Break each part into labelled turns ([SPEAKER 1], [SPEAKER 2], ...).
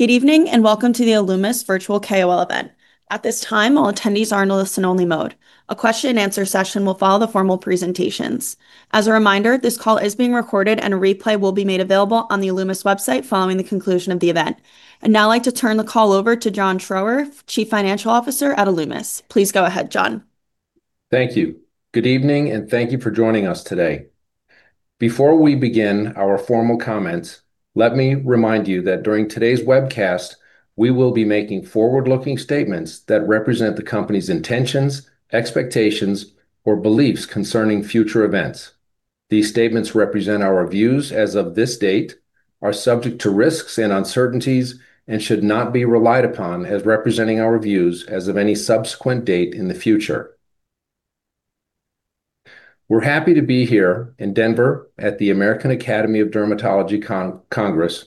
[SPEAKER 1] Good evening, and welcome to the Alumis Virtual KOL Event. At this time, all attendees are in listen-only mode. A question-and-answer session will follow the formal presentations. As a reminder, this call is being recorded, and a replay will be made available on the Alumis website following the conclusion of the event. I'd now like to turn the call over to John Schroer, Chief Financial Officer at Alumis. Please go ahead, John.
[SPEAKER 2] Thank you. Good evening, and thank you for joining us today. Before we begin our formal comments, let me remind you that during today's webcast, we will be making forward-looking statements that represent the company's intentions, expectations, or beliefs concerning future events. These statements represent our views as of this date, are subject to risks and uncertainties and should not be relied upon as representing our views as of any subsequent date in the future. We're happy to be here in Denver at the American Academy of Dermatology Congress,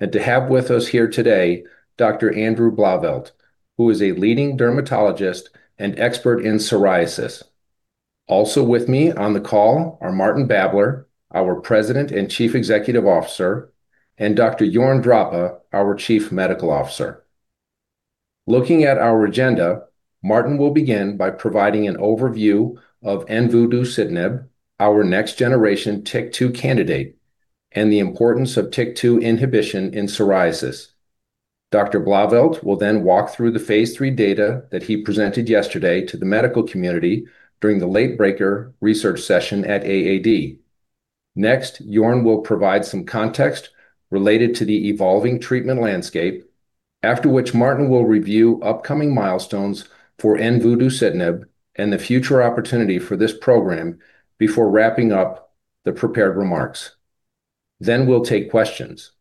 [SPEAKER 2] and to have with us here today, Dr. Andrew Blauvelt, who is a leading dermatologist and expert in psoriasis. Also with me on the call are Martin Babler, our President and Chief Executive Officer, and Dr. Jörn Drappa, our Chief Medical Officer. Looking at our agenda, Martin will begin by providing an overview of envudeucitinib, our next-generation TYK2 candidate, and the importance of TYK2 inhibition in psoriasis. Dr. Blauvelt will then walk through the phase III data that he presented yesterday to the medical community during the late-breaker research session at AAD. Next, Jörn will provide some context related to the evolving treatment landscape. After which, Martin will review upcoming milestones for envudeucitinib and the future opportunity for this program before wrapping up the prepared remarks. We'll take questions.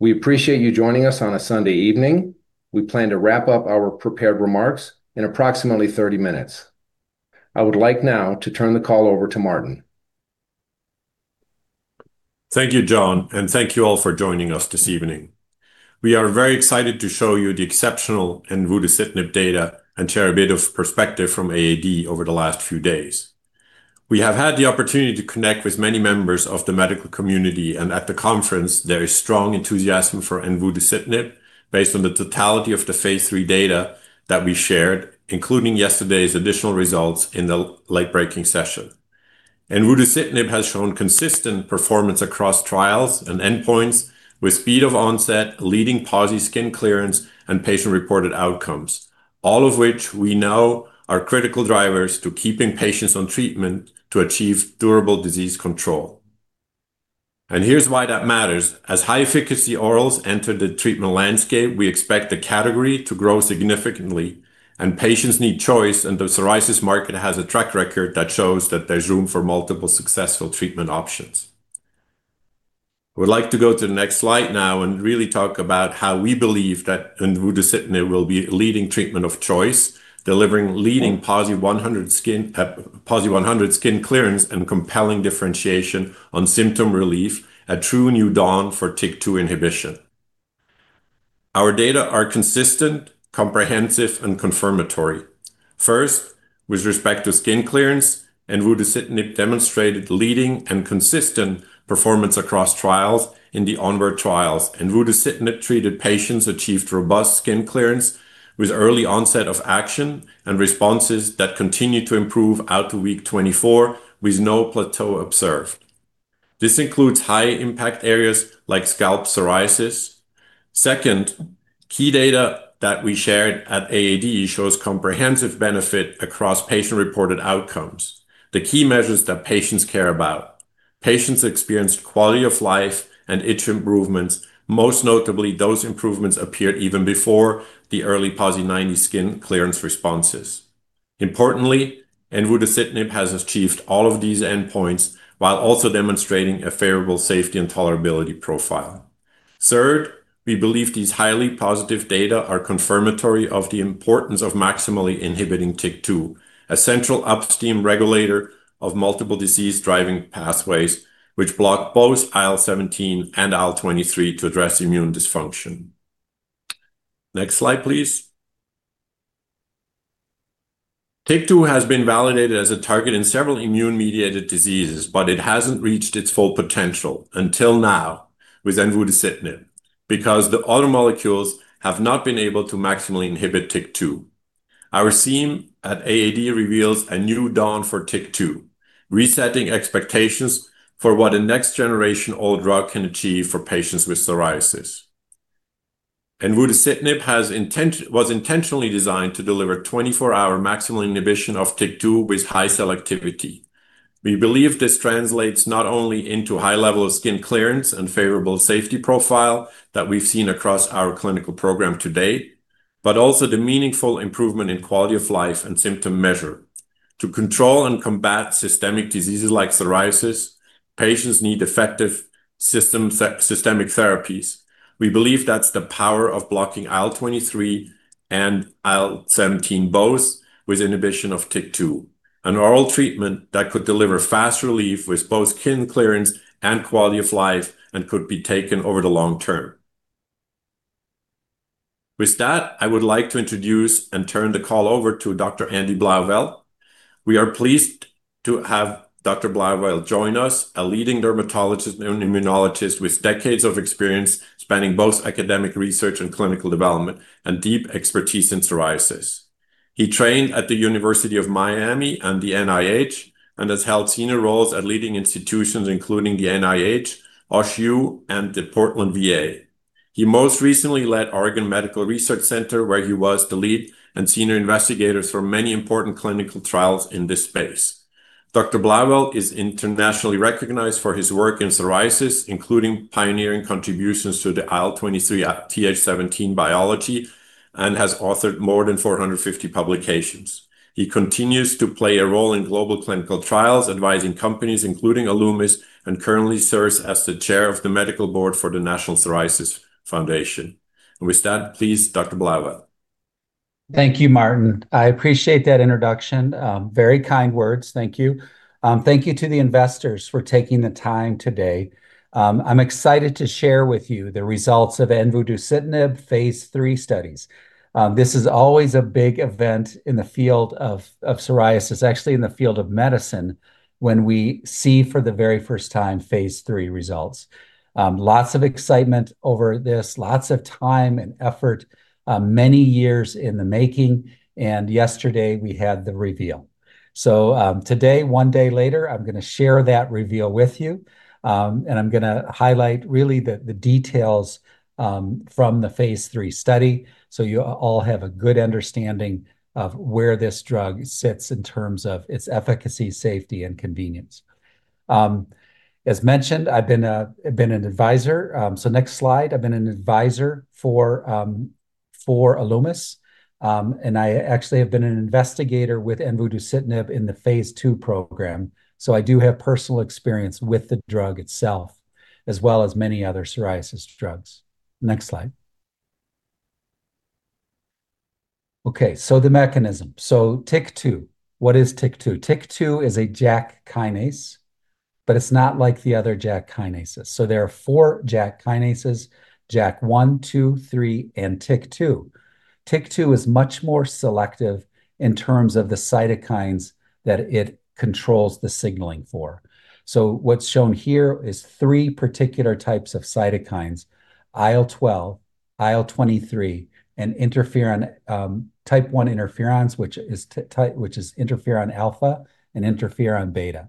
[SPEAKER 2] We appreciate you joining us on a Sunday evening. We plan to wrap up our prepared remarks in approximately 30 minutes. I would like now to turn the call over to Martin.
[SPEAKER 3] Thank you, John, and thank you all for joining us this evening. We are very excited to show you the exceptional envudeucitinib data and share a bit of perspective from AAD over the last few days. We have had the opportunity to connect with many members of the medical community, and at the conference, there is strong enthusiasm for envudeucitinib based on the totality of the phase III data that we shared, including yesterday's additional results in the late-breaking session. Envudeucitinib has shown consistent performance across trials and endpoints with speed of onset, leading PASI skin clearance and patient-reported outcomes, all of which we know are critical drivers to keeping patients on treatment to achieve durable disease control. Here's why that matters. As high-efficacy orals enter the treatment landscape, we expect the category to grow significantly, and patients need choice, and the psoriasis market has a track record that shows that there's room for multiple successful treatment options. I would like to go to the next slide now and really talk about how we believe that envudeucitinib will be a leading treatment of choice, delivering leading PASI 100 skin clearance and compelling differentiation on symptom relief, a true new dawn for TYK2 inhibition. Our data are consistent, comprehensive, and confirmatory. First, with respect to skin clearance, envudeucitinib demonstrated leading and consistent performance across trials in the ONWARD trials. Envudeucitinib-treated patients achieved robust skin clearance with early onset of action and responses that continued to improve out to week 24, with no plateau observed. This includes high-impact areas like scalp psoriasis. Second, key data that we shared at AAD shows comprehensive benefit across patient-reported outcomes, the key measures that patients care about. Patients experienced quality of life and itch improvements. Most notably, those improvements appeared even before the early PASI 90 skin clearance responses. Importantly, envudeucitinib has achieved all of these endpoints while also demonstrating a favorable safety and tolerability profile. Third, we believe these highly positive data are confirmatory of the importance of maximally inhibiting TYK2, a central upstream regulator of multiple disease-driving pathways, which block both IL-17 and IL-23 to address immune dysfunction. Next slide, please. TYK2 has been validated as a target in several immune-mediated diseases, but it hasn't reached its full potential until now with envudeucitinib because the other molecules have not been able to maximally inhibit TYK2. Our theme at AAD reveals a new dawn for TYK2, resetting expectations for what a next-generation oral drug can achieve for patients with psoriasis. Envudeucitinib was intentionally designed to deliver 24-hour maximal inhibition of TYK2 with high selectivity. We believe this translates not only into high level of skin clearance and favorable safety profile that we've seen across our clinical program to date, but also the meaningful improvement in quality of life and symptom measure. To control and combat systemic diseases like psoriasis, patients need effective systemic therapies. We believe that's the power of blocking IL-23 and IL-17 both with inhibition of TYK2, an oral treatment that could deliver fast relief with both skin clearance and quality of life and could be taken over the long term. With that, I would like to introduce and turn the call over to Dr. Andy Blauvelt. We are pleased to have Dr. Blauvelt join us, a leading dermatologist and immunologist with decades of experience spanning both academic research and clinical development, and deep expertise in psoriasis. He trained at the University of Miami and the NIH, and has held senior roles at leading institutions, including the NIH, OHSU, and the Portland VA. He most recently led Oregon Medical Research Center, where he was the lead and senior investigator for many important clinical trials in this space. Dr. Blauvelt is internationally recognized for his work in psoriasis, including pioneering contributions to the IL-23/Th17 biology and has authored more than 450 publications. He continues to play a role in global clinical trials, advising companies including Alumis, and currently serves as the chair of the medical board for the National Psoriasis Foundation. With that, please, Dr. Blauvelt.
[SPEAKER 4] Thank you, Martin. I appreciate that introduction. Very kind words. Thank you. Thank you to the investors for taking the time today. I'm excited to share with you the results of envudeucitinib phase III studies. This is always a big event in the field of psoriasis, actually in the field of medicine, when we see for the very first time phase III results. Lots of excitement over this, lots of time and effort, many years in the making, and yesterday we had the reveal. Today, one day later, I'm gonna share that reveal with you, and I'm gonna highlight really the details from the phase III study, so you all have a good understanding of where this drug sits in terms of its efficacy, safety, and convenience. As mentioned, I've been an advisor. Next slide. I've been an advisor for Alumis, and I actually have been an investigator with envudeucitinib in the phase II program. I do have personal experience with the drug itself, as well as many other psoriasis drugs. Next slide. Okay. The mechanism. TYK2. What is TYK2? TYK2 is a JAK kinase, but it's not like the other JAK kinases. There are four JAK kinases, JAK 1, 2, 3, and TYK2. TYK2 is much more selective in terms of the cytokines that it controls the signaling for. What's shown here is three particular types of cytokines, IL-12, IL-23, and type I interferons, which is interferon alpha and interferon beta.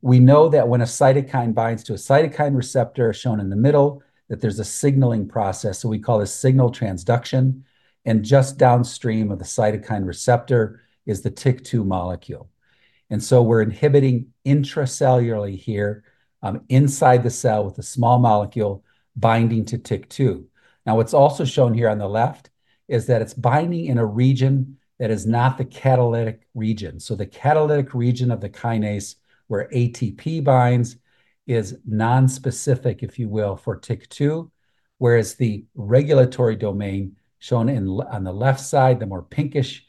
[SPEAKER 4] We know that when a cytokine binds to a cytokine receptor, shown in the middle, that there's a signaling process, so we call this signal transduction, and just downstream of the cytokine receptor is the TYK2 molecule. We're inhibiting intracellularly here, inside the cell with a small molecule binding to TYK2. Now, what's also shown here on the left is that it's binding in a region that is not the catalytic region. The catalytic region of the kinase where ATP binds is nonspecific, if you will, for TYK2, whereas the regulatory domain shown on the left side, the more pinkish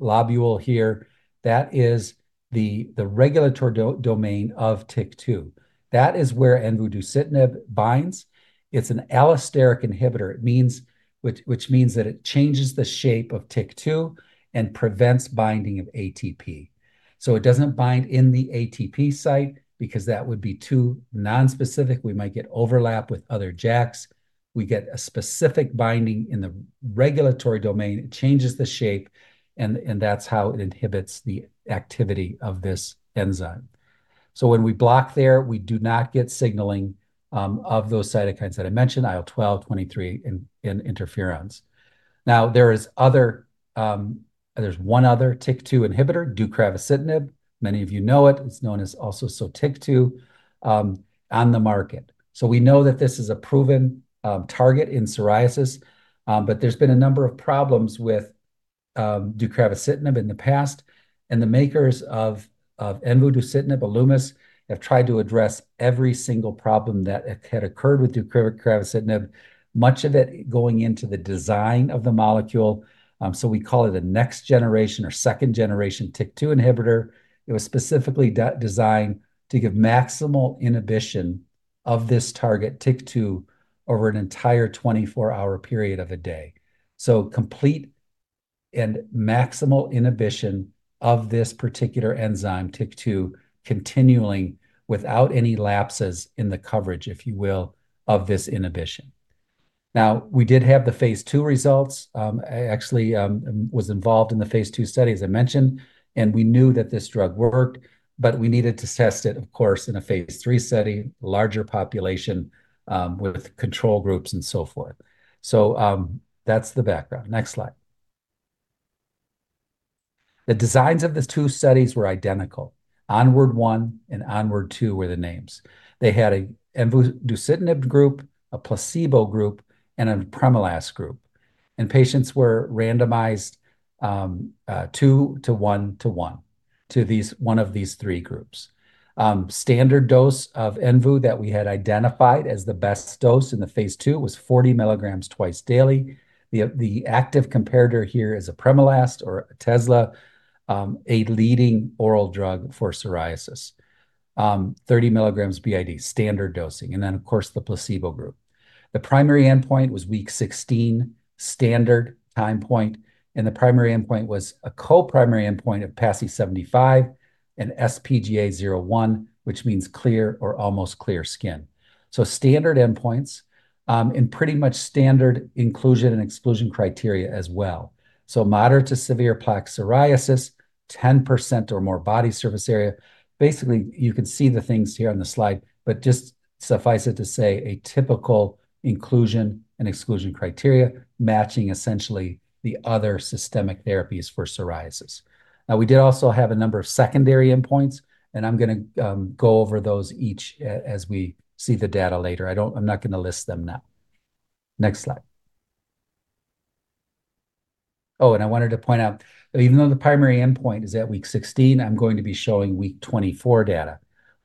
[SPEAKER 4] lobule here, that is the regulatory domain of TYK2. That is where envudeucitinib binds. It's an allosteric inhibitor. Which means that it changes the shape of TYK2 and prevents binding of ATP. It doesn't bind in the ATP site because that would be too nonspecific. We might get overlap with other JAKs. We get a specific binding in the regulatory domain. It changes the shape and that's how it inhibits the activity of this enzyme. When we block there, we do not get signaling of those cytokines that I mentioned, IL-12, IL-23, and interferons. Now, there's one other TYK2 inhibitor, deucravacitinib. Many of you know it. It's known as also Sotyktu on the market. We know that this is a proven target in psoriasis, but there's been a number of problems with deucravacitinib in the past. The makers of envudeucitinib, Alumis, have tried to address every single problem that had occurred with deucravacitinib, much of it going into the design of the molecule. We call it a next generation or second-generation TYK2 inhibitor. It was specifically designed to give maximal inhibition of this target, TYK2, over an entire 24-hour period of a day. Complete and maximal inhibition of this particular enzyme, TYK2, continuing without any lapses in the coverage, if you will, of this inhibition. Now, we did have the phase II results. I actually was involved in the phase II study, as I mentioned, and we knew that this drug worked, but we needed to test it, of course, in a phase III study, larger population, with control groups and so forth. That's the background. Next slide. The designs of the two studies were identical. ONWARD1 and ONWARD2 were the names. They had an envudeucitinib group, a placebo group, and an apremilast group. Patients were randomized 2-to-1-to-1 to these three groups. Standard dose of envudeucitinib that we had identified as the best dose in phase II was 40 mg twice daily. The active comparator here is apremilast or Otezla, a leading oral drug for psoriasis. 30 mg BID, standard dosing. Then of course, the placebo group. The primary endpoint was week 16, standard time point, and the primary endpoint was a co-primary endpoint of PASI 75 and sPGA 0/1, which means clear or almost clear skin. Standard endpoints, and pretty much standard inclusion and exclusion criteria as well. Moderate to severe plaque psoriasis, 10% or more body surface area. Basically, you can see the things here on the slide, but just suffice it to say, a typical inclusion and exclusion criteria matching essentially the other systemic therapies for psoriasis. Now, we did also have a number of secondary endpoints, and I'm gonna go over those each as we see the data later. I'm not gonna list them now. Next slide. Oh, and I wanted to point out that even though the primary endpoint is at week 16, I'm going to be showing week 24 data.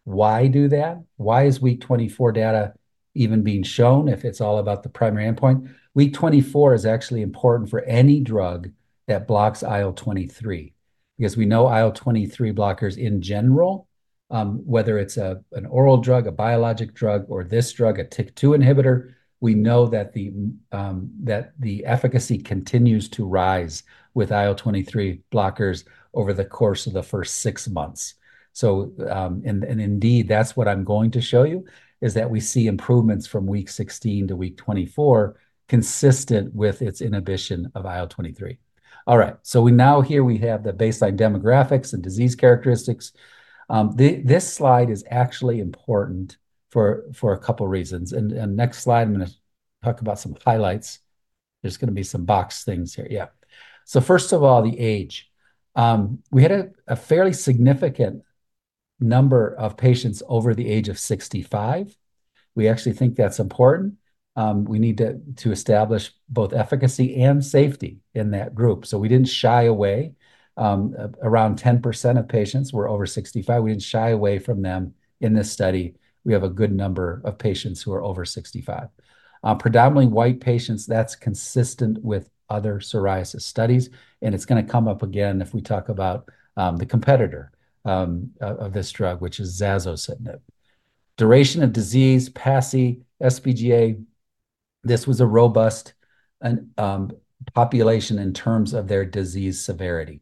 [SPEAKER 4] Why do that? Why is week 24 data even being shown if it's all about the primary endpoint? Week 24 is actually important for any drug that blocks IL-23 because we know IL-23 blockers in general, whether it's an oral drug, a biologic drug, or this drug, a TYK2 inhibitor, we know that the efficacy continues to rise with IL-23 blockers over the course of the first six months. Indeed, that's what I'm going to show you, is that we see improvements from week 16 to week 24 consistent with its inhibition of IL-23. All right, we now have the baseline demographics and disease characteristics. This slide is actually important for a couple of reasons. Next slide, I'm gonna talk about some highlights. There's gonna be some box things here. Yeah. First of all, the age. We had a fairly significant number of patients over the age of 65. We actually think that's important. We need to establish both efficacy and safety in that group. We didn't shy away. Around 10% of patients were over 65. We didn't shy away from them in this study. We have a good number of patients who are over 65. Predominantly white patients, that's consistent with other psoriasis studies, and it's gonna come up again if we talk about the competitor of this drug, which is zasocitinib. Duration of disease, PASI, sPGA. This was a robust population in terms of their disease severity.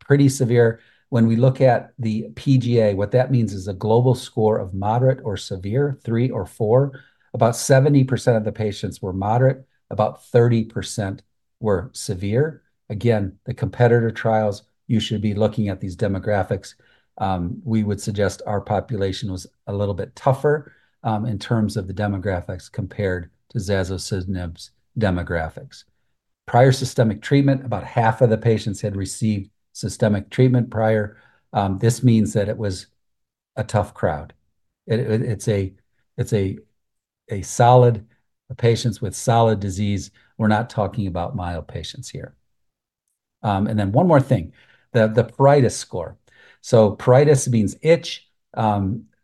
[SPEAKER 4] Pretty severe. When we look at the PGA, what that means is a global score of moderate or severe, three or four. About 70% of the patients were moderate, about 30% were severe. Again, the competitor trials, you should be looking at these demographics. We would suggest our population was a little bit tougher in terms of the demographics compared to zasocitinib's demographics. Prior systemic treatment, about half of the patients had received systemic treatment prior. This means that it was a tough crowd. It's a solid, patients with solid disease. We're not talking about mild patients here. One more thing, the pruritus score. So pruritus means itch,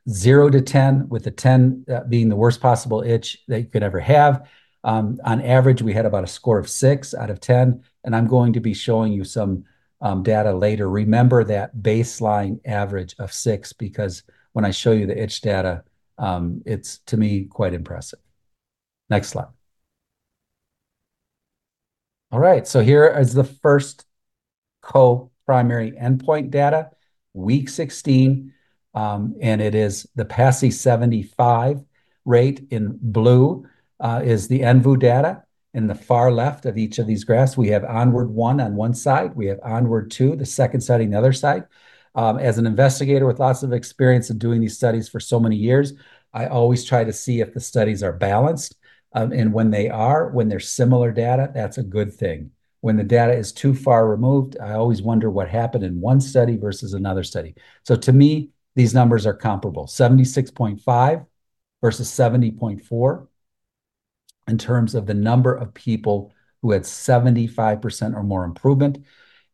[SPEAKER 4] zero to 10, with a 10 being the worst possible itch that you could ever have. On average, we had about a score of six out of 10, and I'm going to be showing you some data later. Remember that baseline average of six, because when I show you the itch data, it's to me quite impressive. Next slide. All right, so here is the first co-primary endpoint data, week 16, and it is the PASI 75 rate in blue is the envudeucitinib data in the far left of each of these graphs. We have ONWARD 1 on one side. We have ONWARD2, the second study, on the other side. As an investigator with lots of experience in doing these studies for so many years, I always try to see if the studies are balanced. When they are, when they're similar data, that's a good thing. When the data is too far removed, I always wonder what happened in one study versus another study. To me, these numbers are comparable, 76.5% versus 70.4%, in terms of the number of people who had 75% or more improvement.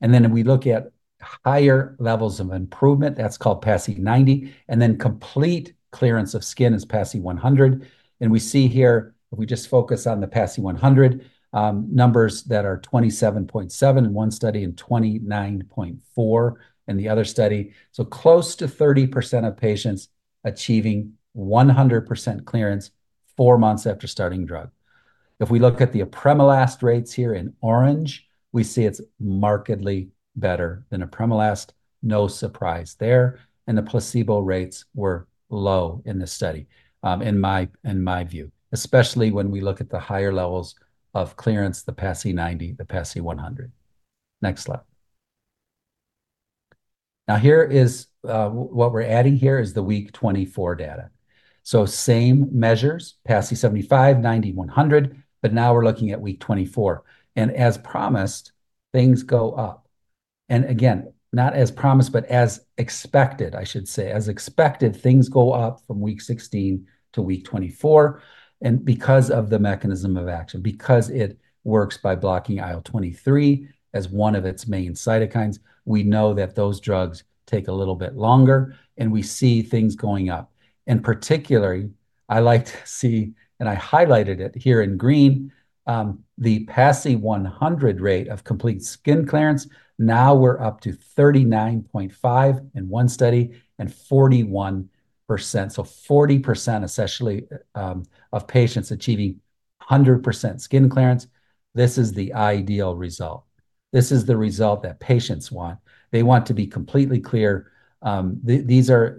[SPEAKER 4] Then if we look at higher levels of improvement, that's called PASI 90, and then complete clearance of skin is PASI 100. We see here, if we just focus on the PASI 100, numbers that are 27.7% in one study and 29.4% in the other study. Close to 30% of patients achieving 100% clearance four months after starting drug. If we look at the apremilast rates here in orange, we see it's markedly better than apremilast. No surprise there. The placebo rates were low in this study, in my view, especially when we look at the higher levels of clearance, the PASI 90, the PASI 100. Next slide. Now, here is what we're adding here is the week 24 data. Same measures, PASI 75, PASI 90, PASI 100, but now we're looking at week 24. As promised, things go up. Again, not as promised, but as expected, I should say. As expected, things go up from week 16 to week 24. Because of the mechanism of action, because it works by blocking IL-23 as one of its main cytokines, we know that those drugs take a little bit longer, and we see things going up. Particularly I like to see, and I highlighted it here in green, the PASI 100 rate of complete skin clearance. Now we're up to 39.5% in one study and 41%. 40%, essentially, of patients achieving 100% skin clearance. This is the ideal result. This is the result that patients want. They want to be completely clear. Again, this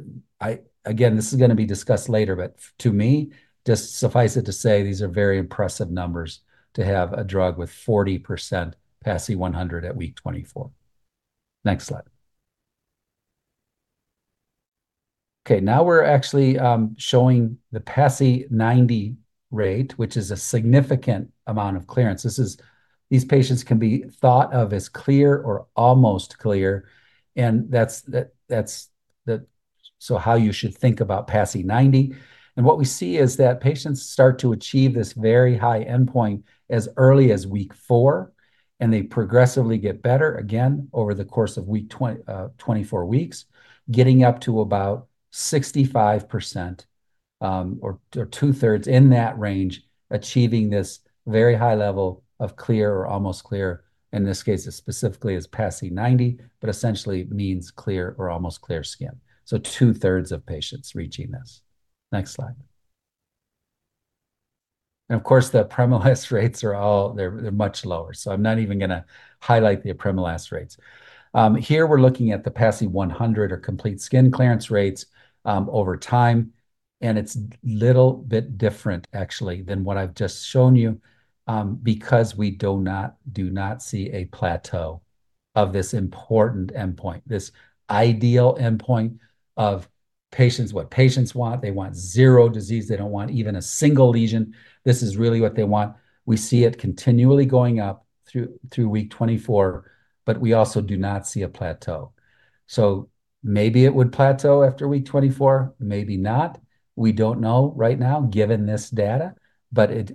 [SPEAKER 4] is gonna be discussed later, but to me, just suffice it to say these are very impressive numbers to have a drug with 40% PASI 100 at week 24. Next slide. Okay, now we're actually showing the PASI 90 rate, which is a significant amount of clearance. These patients can be thought of as clear or almost clear, and that's so how you should think about PASI 90. What we see is that patients start to achieve this very high endpoint as early as week four, and they progressively get better again over the course of week 20, 24 weeks, getting up to about 65%, or 2/3 in that range, achieving this very high level of clear or almost clear. In this case, it specifically is PASI 90, but essentially means clear or almost clear skin. 2/3 of patients reaching this. Next slide. Of course, the apremilast rates are all they're much lower, so I'm not even gonna highlight the apremilast rates. Here we're looking at the PASI 100 or complete skin clearance rates over time, and it's little bit different actually than what I've just shown you, because we do not see a plateau of this important endpoint, this ideal endpoint of patients, what patients want. They want zero disease. They don't want even a single lesion. This is really what they want. We see it continually going up through week 24, but we also do not see a plateau. Maybe it would plateau after week 24, maybe not. We don't know right now given this data, but it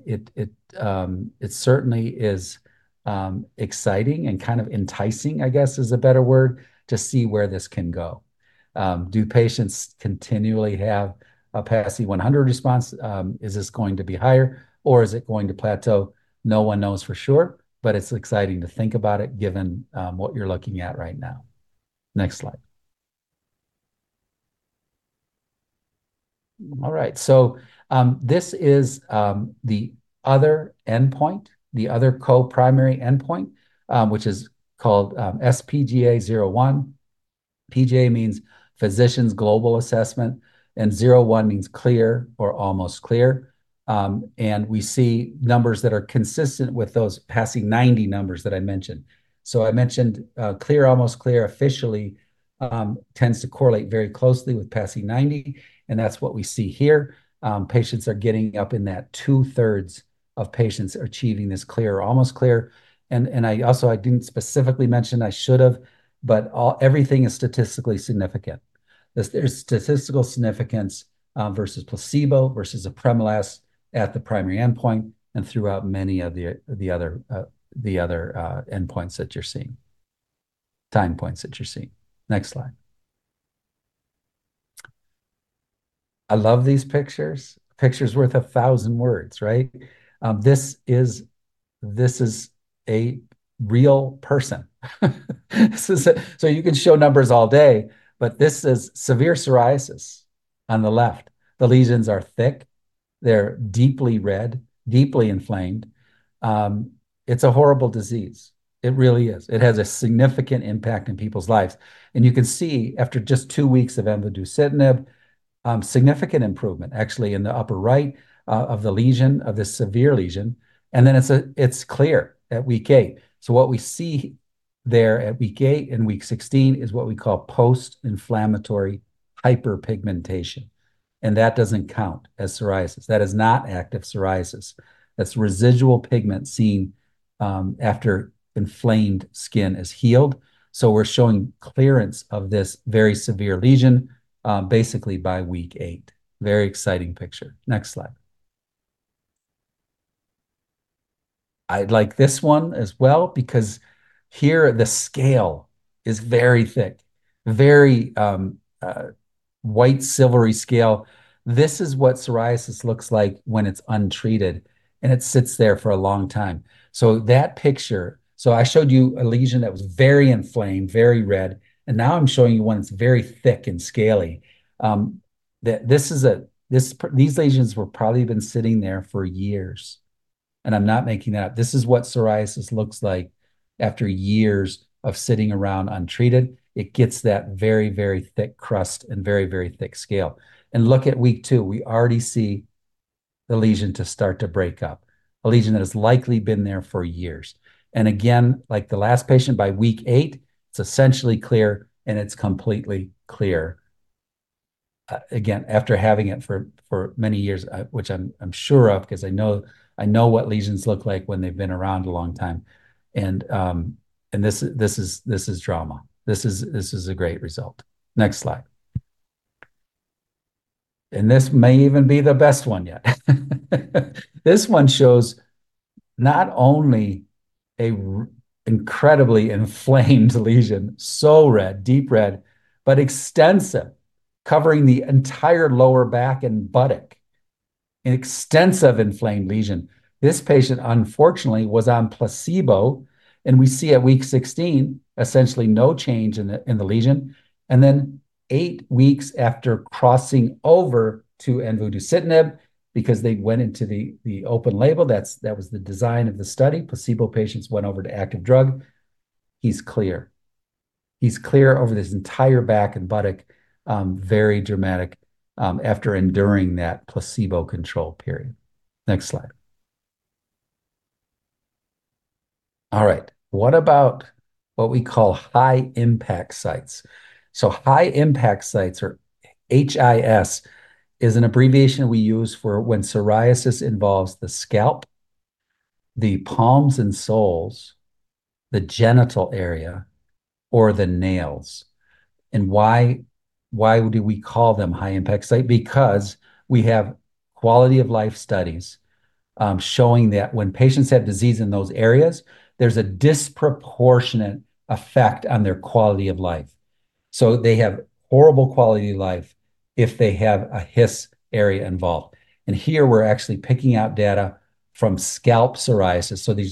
[SPEAKER 4] certainly is exciting and kind of enticing, I guess is a better word, to see where this can go. Do patients continually have a PASI 100 response? Is this going to be higher or is it going to plateau? No one knows for sure, but it's exciting to think about it given what you're looking at right now. Next slide. All right. This is the other endpoint, the other co-primary endpoint, which is called sPGA 0/1. GA means Physician's Global Assessment, and zero one means clear or almost clear. We see numbers that are consistent with those PASI 90 numbers that I mentioned. I mentioned clear, almost clear officially tends to correlate very closely with PASI 90, and that's what we see here. Patients are getting up in that 2/3 of patients achieving this clear or almost clear. I also didn't specifically mention, I should have, but everything is statistically significant. There's statistical significance versus placebo, versus apremilast at the primary endpoint and throughout many of the other endpoints that you're seeing, time points that you're seeing. Next slide. I love these pictures. A picture's worth a thousand words, right? This is a real person. So you can show numbers all day, but this is severe psoriasis on the left. The lesions are thick. They're deeply red, deeply inflamed. It's a horrible disease. It really is. It has a significant impact in people's lives. You can see after just two weeks of envudeucitinib significant improvement actually in the upper right of the severe lesion, and then it's clear at week eight. What we see there at week eight and week 16 is what we call post-inflammatory hyperpigmentation, and that doesn't count as psoriasis. That is not active psoriasis. That's residual pigment seen after inflamed skin is healed. We're showing clearance of this very severe lesion basically by week eight. Very exciting picture. Next slide. I like this one as well because here the scale is very thick, very white, silvery scale. This is what psoriasis looks like when it's untreated, and it sits there for a long time. I showed you a lesion that was very inflamed, very red, and now I'm showing you one that's very thick and scaly. These lesions were probably been sitting there for years, and I'm not making that up. This is what psoriasis looks like after years of sitting around untreated. It gets that very, very thick crust and very, very thick scale. Look at week two. We already see the lesion start to break up, a lesion that has likely been there for years. Again, like the last patient, by week eight, it's essentially clear, and it's completely clear, again, after having it for many years, which I'm sure of because I know what lesions look like when they've been around a long time. This is drama. This is a great result. Next slide. This may even be the best one yet. This one shows not only an incredibly inflamed lesion, so red, deep red, but extensive, covering the entire lower back and buttock. An extensive inflamed lesion. This patient, unfortunately, was on placebo, and we see at week 16 essentially no change in the lesion. Eight weeks after crossing over to envudeucitinib, because they went into the open label, that was the design of the study, placebo patients went over to active drug, he's clear. He's clear over this entire back and buttock, very dramatic, after enduring that placebo control period. Next slide. All right. What about what we call high impact sites? High impact sites, or HIS, is an abbreviation we use for when psoriasis involves the scalp, the palms and soles, the genital area, or the nails. Why do we call them high impact site? Because we have quality-of-life studies, showing that when patients have disease in those areas, there's a disproportionate effect on their quality of life. They have horrible quality of life if they have a HIS area involved. Here we're actually picking out data from scalp psoriasis. This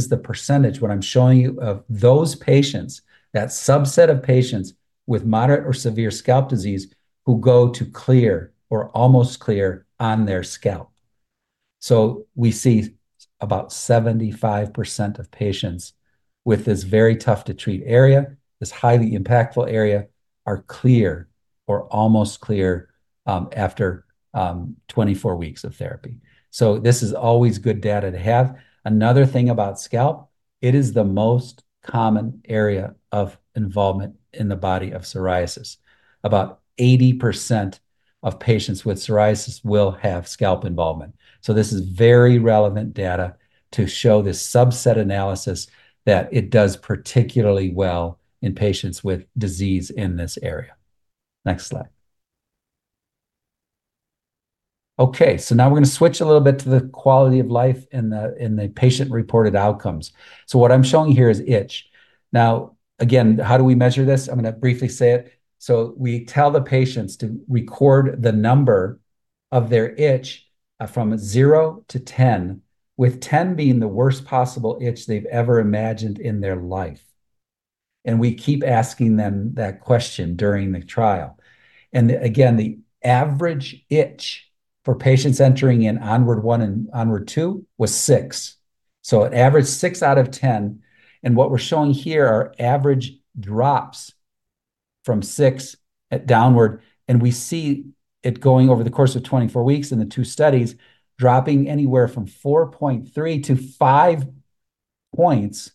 [SPEAKER 4] is the percentage, what I'm showing you, of those patients, that subset of patients with moderate or severe scalp disease, who go to clear or almost clear on their scalp. We see about 75% of patients with this very tough-to-treat area, this highly impactful area, are clear or almost clear after 24 weeks of therapy. This is always good data to have. Another thing about scalp, it is the most common area of involvement in the body of psoriasis. About 80% of patients with psoriasis will have scalp involvement. This is very relevant data to show this subset analysis that it does particularly well in patients with disease in this area. Next slide. Okay, now we're gonna switch a little bit to the quality of life and the patient-reported outcomes. What I'm showing here is itch. Now, again, how do we measure this? I'm gonna briefly say it. We tell the patients to record the number of their itch from zero to 10, with 10 being the worst possible itch they've ever imagined in their life. We keep asking them that question during the trial. Again, the average itch for patients entering in ONWARD1 and ONWARD2 was six. An average six out of 10. What we're showing here are average drops from six downward, and we see it going over the course of 24 weeks in the two studies, dropping anywhere from 4.3 to five points.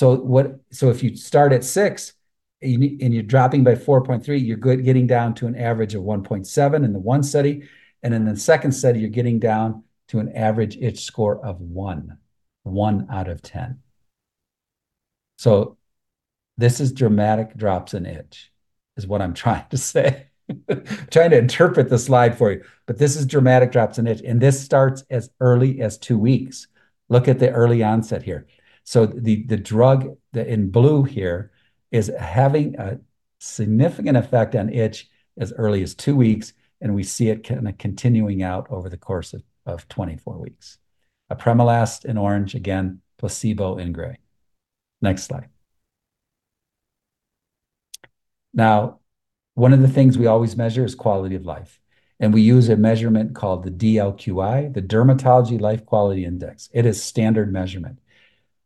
[SPEAKER 4] If you start at six, and you're dropping by 4.3, you're getting down to an average of 1.7 in the one study. In the second study, you're getting down to an average itch score of one. One out of 10. This is dramatic drops in itch, is what I'm trying to say. Trying to interpret the slide for you, but this is dramatic drops in itch, and this starts as early as two weeks. Look at the early onset here. The drug in blue here is having a significant effect on itch as early as two weeks, and we see it continuing out over the course of 24 weeks. Apremilast in orange, again, placebo in gray. Next slide. One of the things we always measure is quality of life, and we use a measurement called the DLQI, the Dermatology Life Quality Index. It is a standard measurement.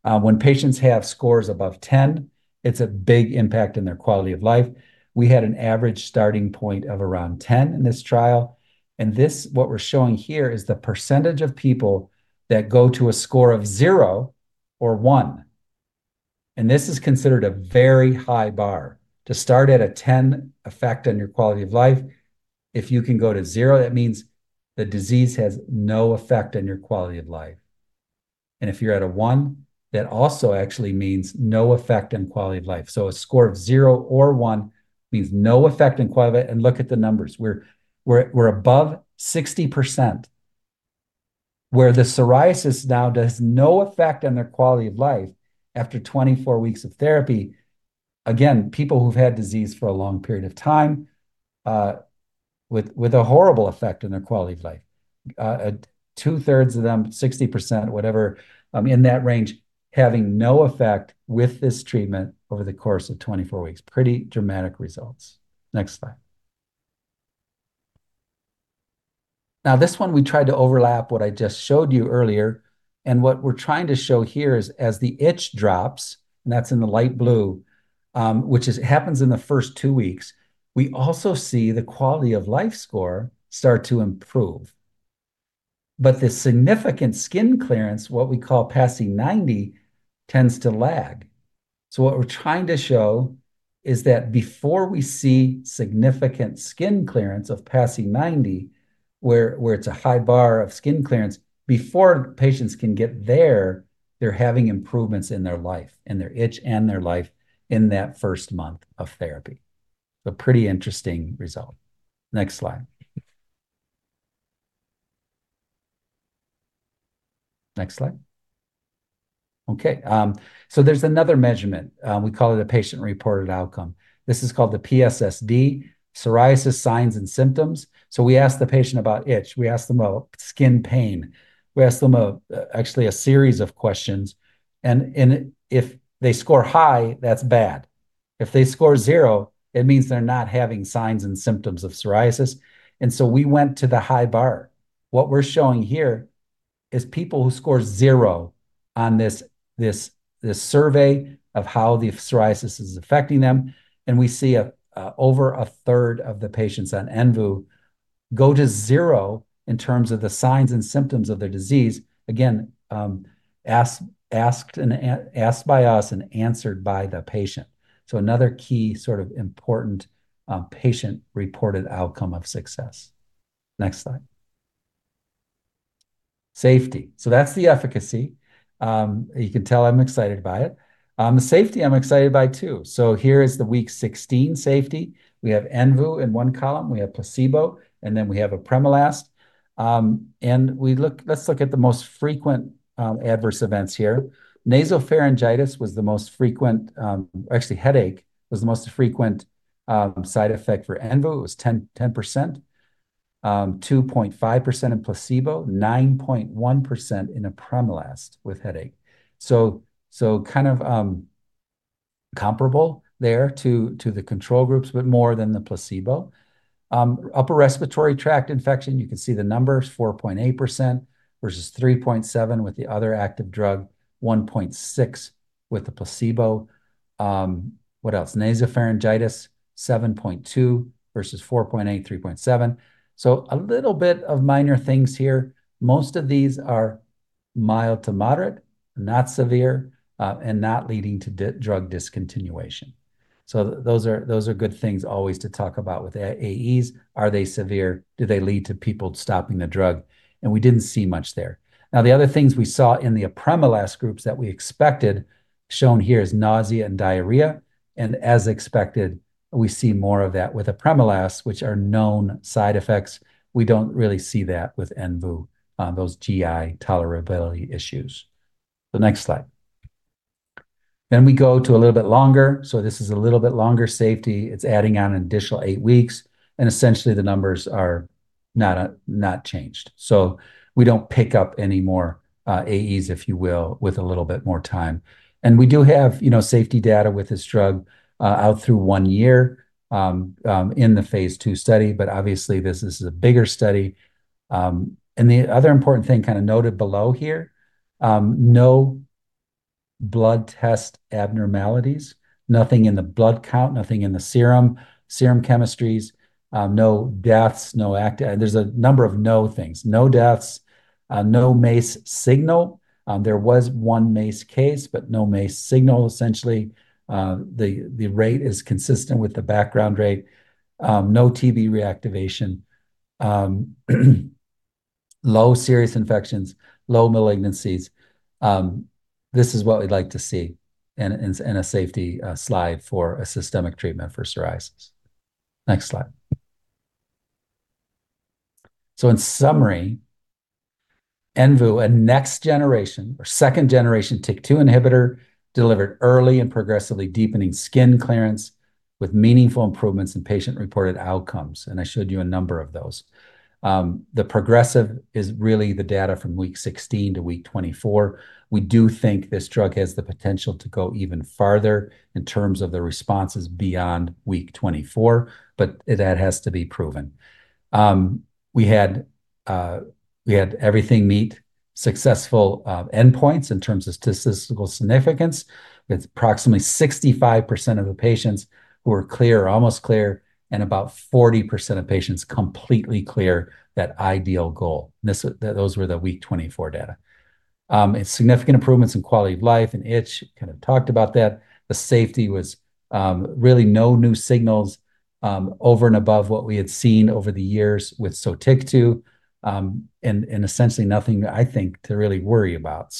[SPEAKER 4] When patients have scores above 10, it's a big impact in their quality of life. We had an average starting point of around 10 in this trial. This, what we're showing here, is the percentage of people that go to a score of zero or one, and this is considered a very high bar. To start at a 10 effect on your quality of life, if you can go to zero, that means the disease has no effect on your quality of life. If you're at a one, that also actually means no effect on quality of life. A score of zero or one means no effect on quality of life. Look at the numbers. We're above 60% where the psoriasis now has no effect on their quality of life after 24 weeks of therapy. Again, people who've had disease for a long period of time, with a horrible effect on their quality of life. 2/3 of them, 60%, whatever, in that range, having no effect with this treatment over the course of 24 weeks. Pretty dramatic results. Next slide. Now, this one we tried to overlap what I just showed you earlier, and what we're trying to show here is as the itch drops, and that's in the light blue, which happens in the first two weeks. We also see the quality-of-life score start to improve. The significant skin clearance, what we call PASI 90, tends to lag. What we're trying to show is that before we see significant skin clearance of PASI 90, where it's a high bar of skin clearance, before patients can get there, they're having improvements in their life, in their itch and their life in that first month of therapy. A pretty interesting result. Next slide. Okay. There's another measurement. We call it a patient-reported outcome. This is called the PSSD, Psoriasis Signs And Symptoms. We ask the patient about itch, we ask them about skin pain. We ask them actually a series of questions. If they score high, that's bad. If they score zero, it means they're not having signs and symptoms of psoriasis. We went to the high bar. What we're showing here is people who score zero on this survey of how the psoriasis is affecting them, and we see over a third of the patients on envudeucitinib go to zero in terms of the signs and symptoms of their disease. Again, asked by us and answered by the patient. Another key sort of important patient-reported outcome of success. Next slide. Safety. That's the efficacy. You can tell I'm excited by it. The safety I'm excited by too. Here is the week 16 safety. We have envudeucitinib in one column, we have placebo, and then we have apremilast. And we look, let's look at the most frequent, adverse events here. Nasopharyngitis was the most frequent, actually headache was the most frequent, side effect for envudeucitinib. It was 10%, 2.5% in placebo, 9.1% in apremilast with headache. So kind of comparable there to the control groups, but more than the placebo. Upper respiratory tract infection, you can see the numbers, 4.8% versus 3.7% with the other active drug, 1.6% with the placebo. What else? Nasopharyngitis, 7.2% versus 4.8%, 3.7%. A little bit of minor things here. Most of these are mild to moderate, not severe, and not leading to drug discontinuation. Those are good things always to talk about with AEs. Are they severe? Do they lead to people stopping the drug? We didn't see much there. The other things we saw in the apremilast groups that we expected, shown here is nausea and diarrhea. As expected, we see more of that with apremilast, which are known side effects. We don't really see that with envudeucitinib on those GI tolerability issues. The next slide. We go to a little bit longer. This is a little bit longer safety. It's adding on an additional eight weeks, and essentially the numbers are not changed. We don't pick up any more AEs, if you will, with a little bit more time. We do have, you know, safety data with this drug out through one year in the phase II study, but obviously, this is a bigger study. The other important thing kind of noted below here, no blood test abnormalities, nothing in the blood count, nothing in the serum chemistries, no deaths. There's a number of no things. No deaths, no MACE signal. There was one MACE case, but no MACE signal essentially. The rate is consistent with the background rate. No TB reactivation, low serious infections, low malignancies. This is what we'd like to see in a safety slide for a systemic treatment for psoriasis. Next slide. In summary, envudeucitinib, a next generation or second generation TYK2 inhibitor, delivered early and progressively deepening skin clearance with meaningful improvements in patient-reported outcomes, and I showed you a number of those. The progressive is really the data from week 16 to week 24. We do think this drug has the potential to go even farther in terms of the responses beyond week 24, but that has to be proven. We had everything meet successful endpoints in terms of statistical significance, with approximately 65% of the patients who are clear or almost clear, and about 40% of patients completely clear that ideal goal. Those were the week 24 data. Significant improvements in quality of life and itch, kind of talked about that. The safety was really no new signals over and above what we had seen over the years with Sotyktu and essentially nothing I think to really worry about.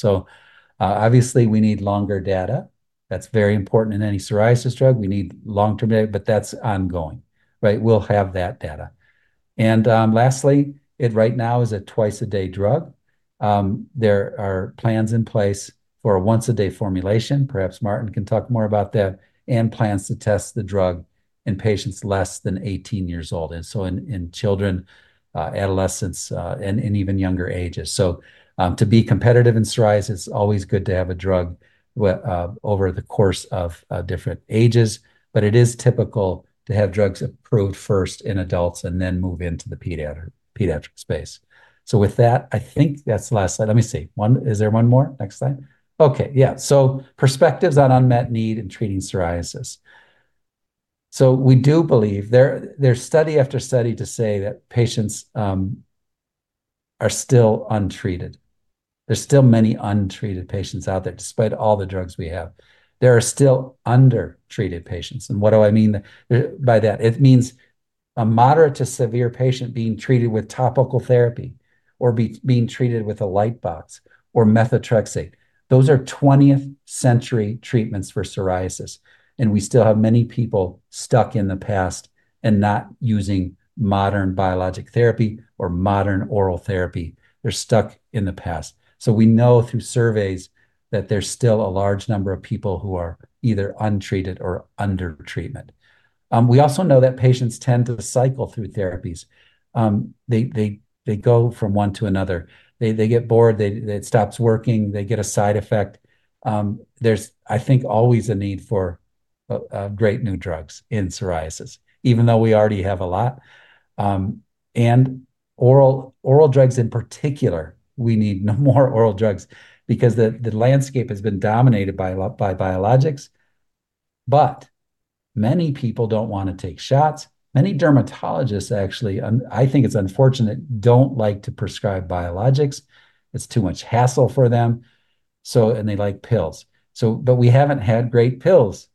[SPEAKER 4] Obviously, we need longer data. That's very important in any psoriasis drug. We need long-term data, but that's ongoing, right? We'll have that data. Lastly, it right now is a twice-a-day drug. There are plans in place for a once-a-day formulation, perhaps Martin can talk more about that, and plans to test the drug in patients less than 18 years old in children, adolescents, and even younger ages. To be competitive in psoriasis, it's always good to have a drug over the course of different ages, but it is typical to have drugs approved first in adults and then move into the pediatric space. With that, I think that's the last slide. Let me see. Is there one more? Next slide. Okay. Yeah. Perspectives on unmet need in treating psoriasis. We do believe there's study after study to say that patients are still untreated. There's still many untreated patients out there despite all the drugs we have. There are still undertreated patients. What do I mean by that? It means a moderate to severe patient being treated with topical therapy or being treated with a light box or methotrexate. Those are 20th century treatments for psoriasis, and we still have many people stuck in the past and not using modern biologic therapy or modern oral therapy. They're stuck in the past. We know through surveys that there's still a large number of people who are either untreated or under treatment. We also know that patients tend to cycle through therapies. They go from one to another. They get bored. It stops working. They get a side effect. There's, I think, always a need for great new drugs in psoriasis, even though we already have a lot. Oral drugs in particular, we need more oral drugs because the landscape has been dominated by biologics. Many people don't wanna take shots. Many dermatologists, actually, I think it's unfortunate, don't like to prescribe biologics. It's too much hassle for them, so and they like pills. But we haven't had great pills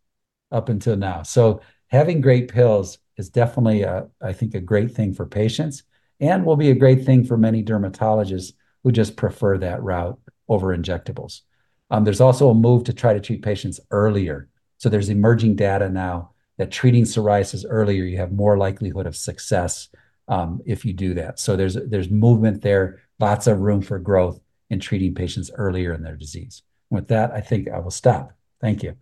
[SPEAKER 4] up until now. Having great pills is definitely a, I think, a great thing for patients and will be a great thing for many dermatologists who just prefer that route over injectables. There's also a move to try to treat patients earlier. There's emerging data now that treating psoriasis earlier, you have more likelihood of success, if you do that. There's movement there, lots of room for growth in treating patients earlier in their disease. With that, I think I will stop. Thank you.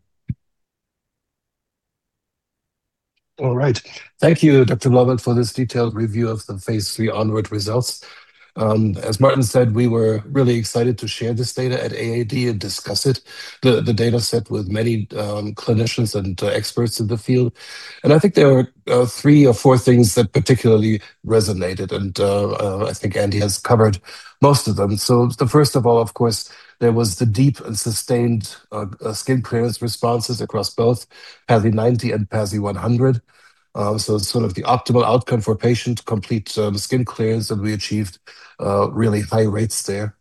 [SPEAKER 5] All right. Thank you, Dr. Blauvelt, for this detailed review of the phase III ONWARD results. As Martin said, we were really excited to share this data at AAD and discuss the data set with many clinicians and experts in the field. I think there are three or four things that particularly resonated, and I think Andy has covered most of them. The first of all, of course, there was the deep and sustained skin clearance responses across both PASI 90 and PASI 100. Sort of the optimal outcome for patient complete skin clearance, and we achieved really high rates there.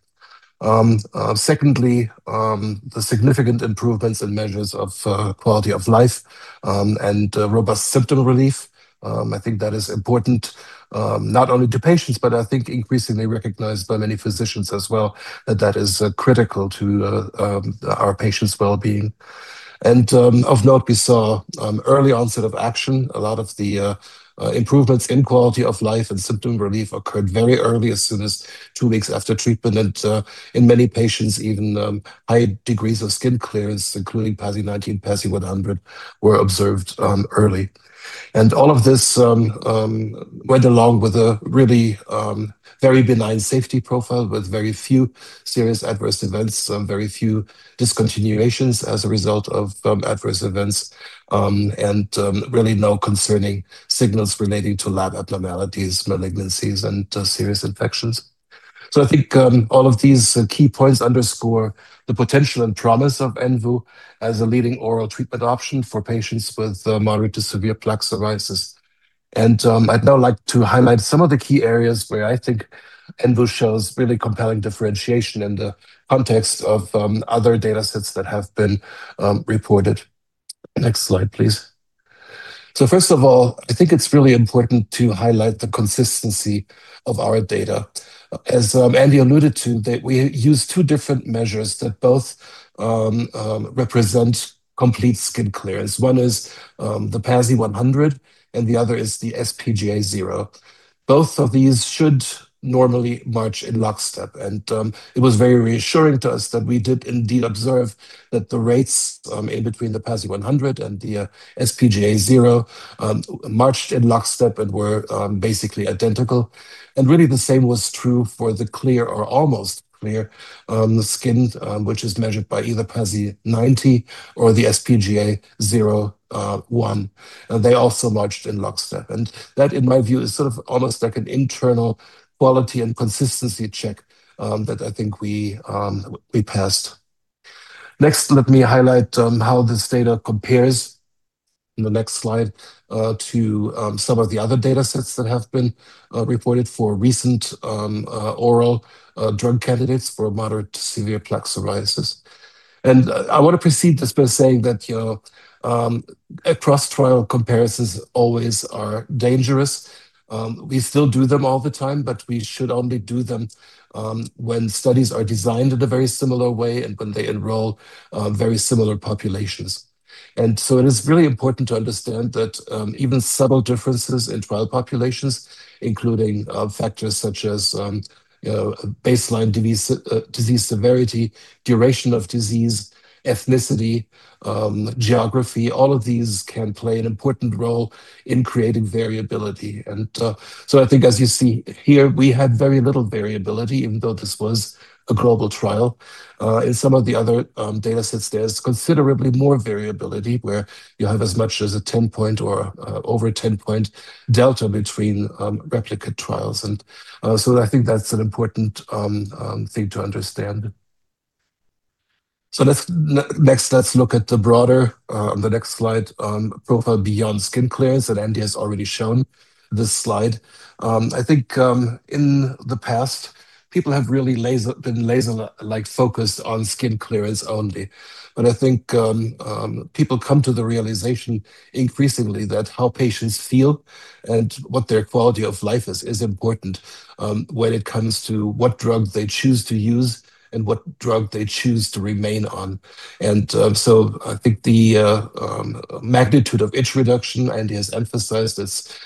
[SPEAKER 5] Secondly, the significant improvements in measures of quality of life and robust symptom relief. I think that is important, not only to patients, but I think increasingly recognized by many physicians as well, that is critical to our patients' well-being. Of note, we saw early onset of action. A lot of the improvements in quality of life and symptom relief occurred very early, as soon as two weeks after treatment. In many patients, even high degrees of skin clearance, including PASI 90 and PASI 100, were observed early. All of this went along with a really very benign safety profile with very few serious adverse events, very few discontinuations as a result of adverse events, and really no concerning signals relating to lab abnormalities, malignancies, and serious infections. I think all of these key points underscore the potential and promise of envudeucitinib as a leading oral treatment option for patients with moderate to severe plaque psoriasis. I'd now like to highlight some of the key areas where I think envudeucitinib shows really compelling differentiation in the context of other datasets that have been reported. Next slide, please. First of all, I think it's really important to highlight the consistency of our data. As Andy alluded to, we use two different measures that both represent complete skin clearance. One is the PASI 100, and the other is the sPGA 0. Both of these should normally march in lockstep. It was very reassuring to us that we did indeed observe that the rates in between the PASI 100 and the sPGA 0 marched in lockstep and were basically identical. Really the same was true for the clear or almost clear skin, which is measured by either PASI 90 or the sPGA 0/1. They also marched in lockstep. That, in my view, is sort of almost like an internal quality and consistency check that I think we passed. Next, let me highlight how this data compares, in the next slide, to some of the other datasets that have been reported for recent oral drug candidates for moderate to severe plaque psoriasis. I wanna precede this by saying that, you know, across trial comparisons always are dangerous. We still do them all the time, but we should only do them when studies are designed in a very similar way and when they enroll very similar populations. It is really important to understand that even subtle differences in trial populations, including factors such as, you know, baseline disease severity, duration of disease, ethnicity, geography, all of these can play an important role in creating variability. I think as you see here, we had very little variability, even though this was a global trial. In some of the other datasets, there's considerably more variability, where you have as much as a 10-point or over 10-point delta between replicate trials. I think that's an important thing to understand. Let's next look at the broader profile beyond skin clearance that Andy has already shown. This slide. I think in the past, people have really been laser-like focused on skin clearance only. I think people come to the realization increasingly that how patients feel and what their quality of life is important when it comes to what drug they choose to use and what drug they choose to remain on. I think the magnitude of itch reduction Andy has emphasized is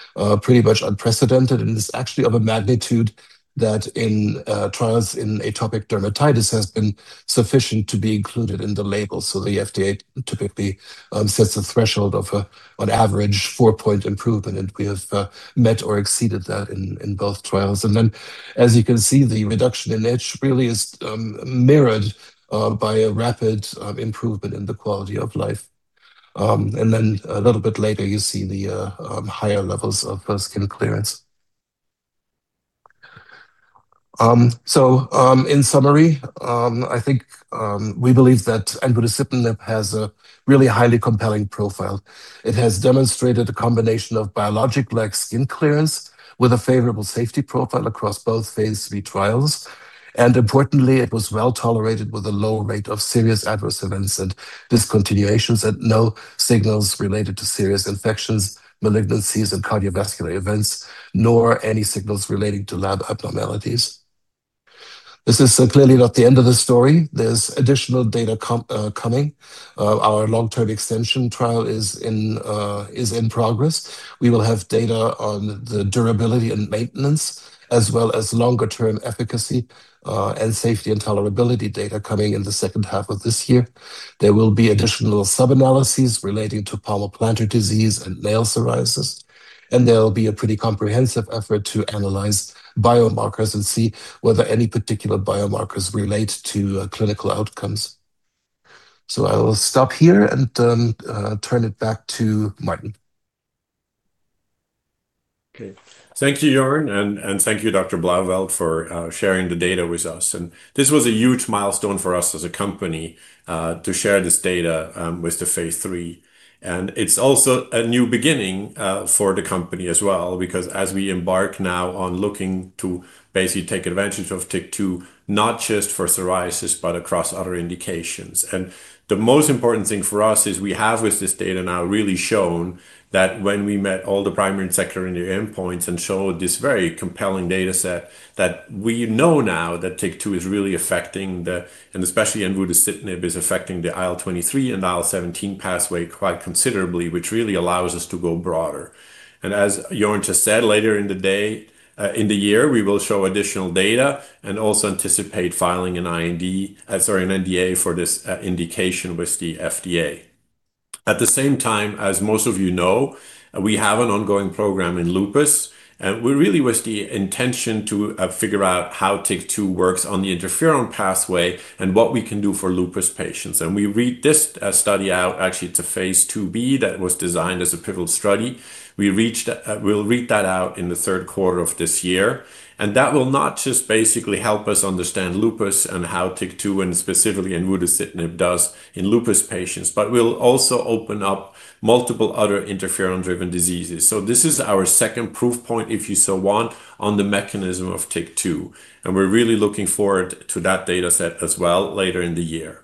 [SPEAKER 5] pretty much unprecedented and is actually of a magnitude that in trials in atopic dermatitis has been sufficient to be included in the label. The FDA typically sets a threshold of on average 4-point improvement, and we have met or exceeded that in both trials. As you can see, the reduction in itch really is mirrored by a rapid improvement in the quality of life. A little bit later you see the higher levels of skin clearance. In summary, I think we believe that ESK-001 has a really highly compelling profile. It has demonstrated a combination of biologic-like skin clearance with a favorable safety profile across both phase III trials. Importantly, it was well-tolerated with a low rate of serious adverse events and discontinuations and no signals related to serious infections, malignancies, and cardiovascular events, nor any signals relating to lab abnormalities. This is clearly not the end of the story. There's additional data coming. Our long-term extension trial is in progress. We will have data on the durability and maintenance as well as longer-term efficacy, and safety and tolerability data coming in the second half of this year. There will be additional sub-analyses relating to palmoplantar disease and nail psoriasis, and there will be a pretty comprehensive effort to analyze biomarkers and see whether any particular biomarkers relate to clinical outcomes. I will stop here and turn it back to Martin.
[SPEAKER 3] Okay. Thank you, Jörn, and thank you, Dr. Blauvelt, for sharing the data with us. This was a huge milestone for us as a company to share this data with the phase III. It's also a new beginning for the company as well because as we embark now on looking to basically take advantage of TYK2, not just for psoriasis, but across other indications. The most important thing for us is we have, with this data now, really shown that when we met all the primary and secondary endpoints and showed this very compelling data set, that we know now that TYK2 is really affecting, and especially ESK-001 is affecting, the IL-23 and IL-17 pathway quite considerably, which really allows us to go broader. As Jörn just said, later in the day, in the year, we will show additional data and also anticipate filing an IND, sorry, an NDA for this, indication with the FDA. At the same time, as most of you know, we have an ongoing program in lupus. We're really with the intention to, figure out how TYK2 works on the interferon pathway and what we can do for lupus patients. We read this, study out. Actually, it's a phase II-B that was designed as a pivotal study. We'll read that out in the third quarter of this year. That will not just basically help us understand lupus and how TYK2 and specifically ESK-001 does in lupus patients, but will also open up multiple other interferon-driven diseases. This is our second proof point, if you so want, on the mechanism of TYK2, and we're really looking forward to that data set as well later in the year.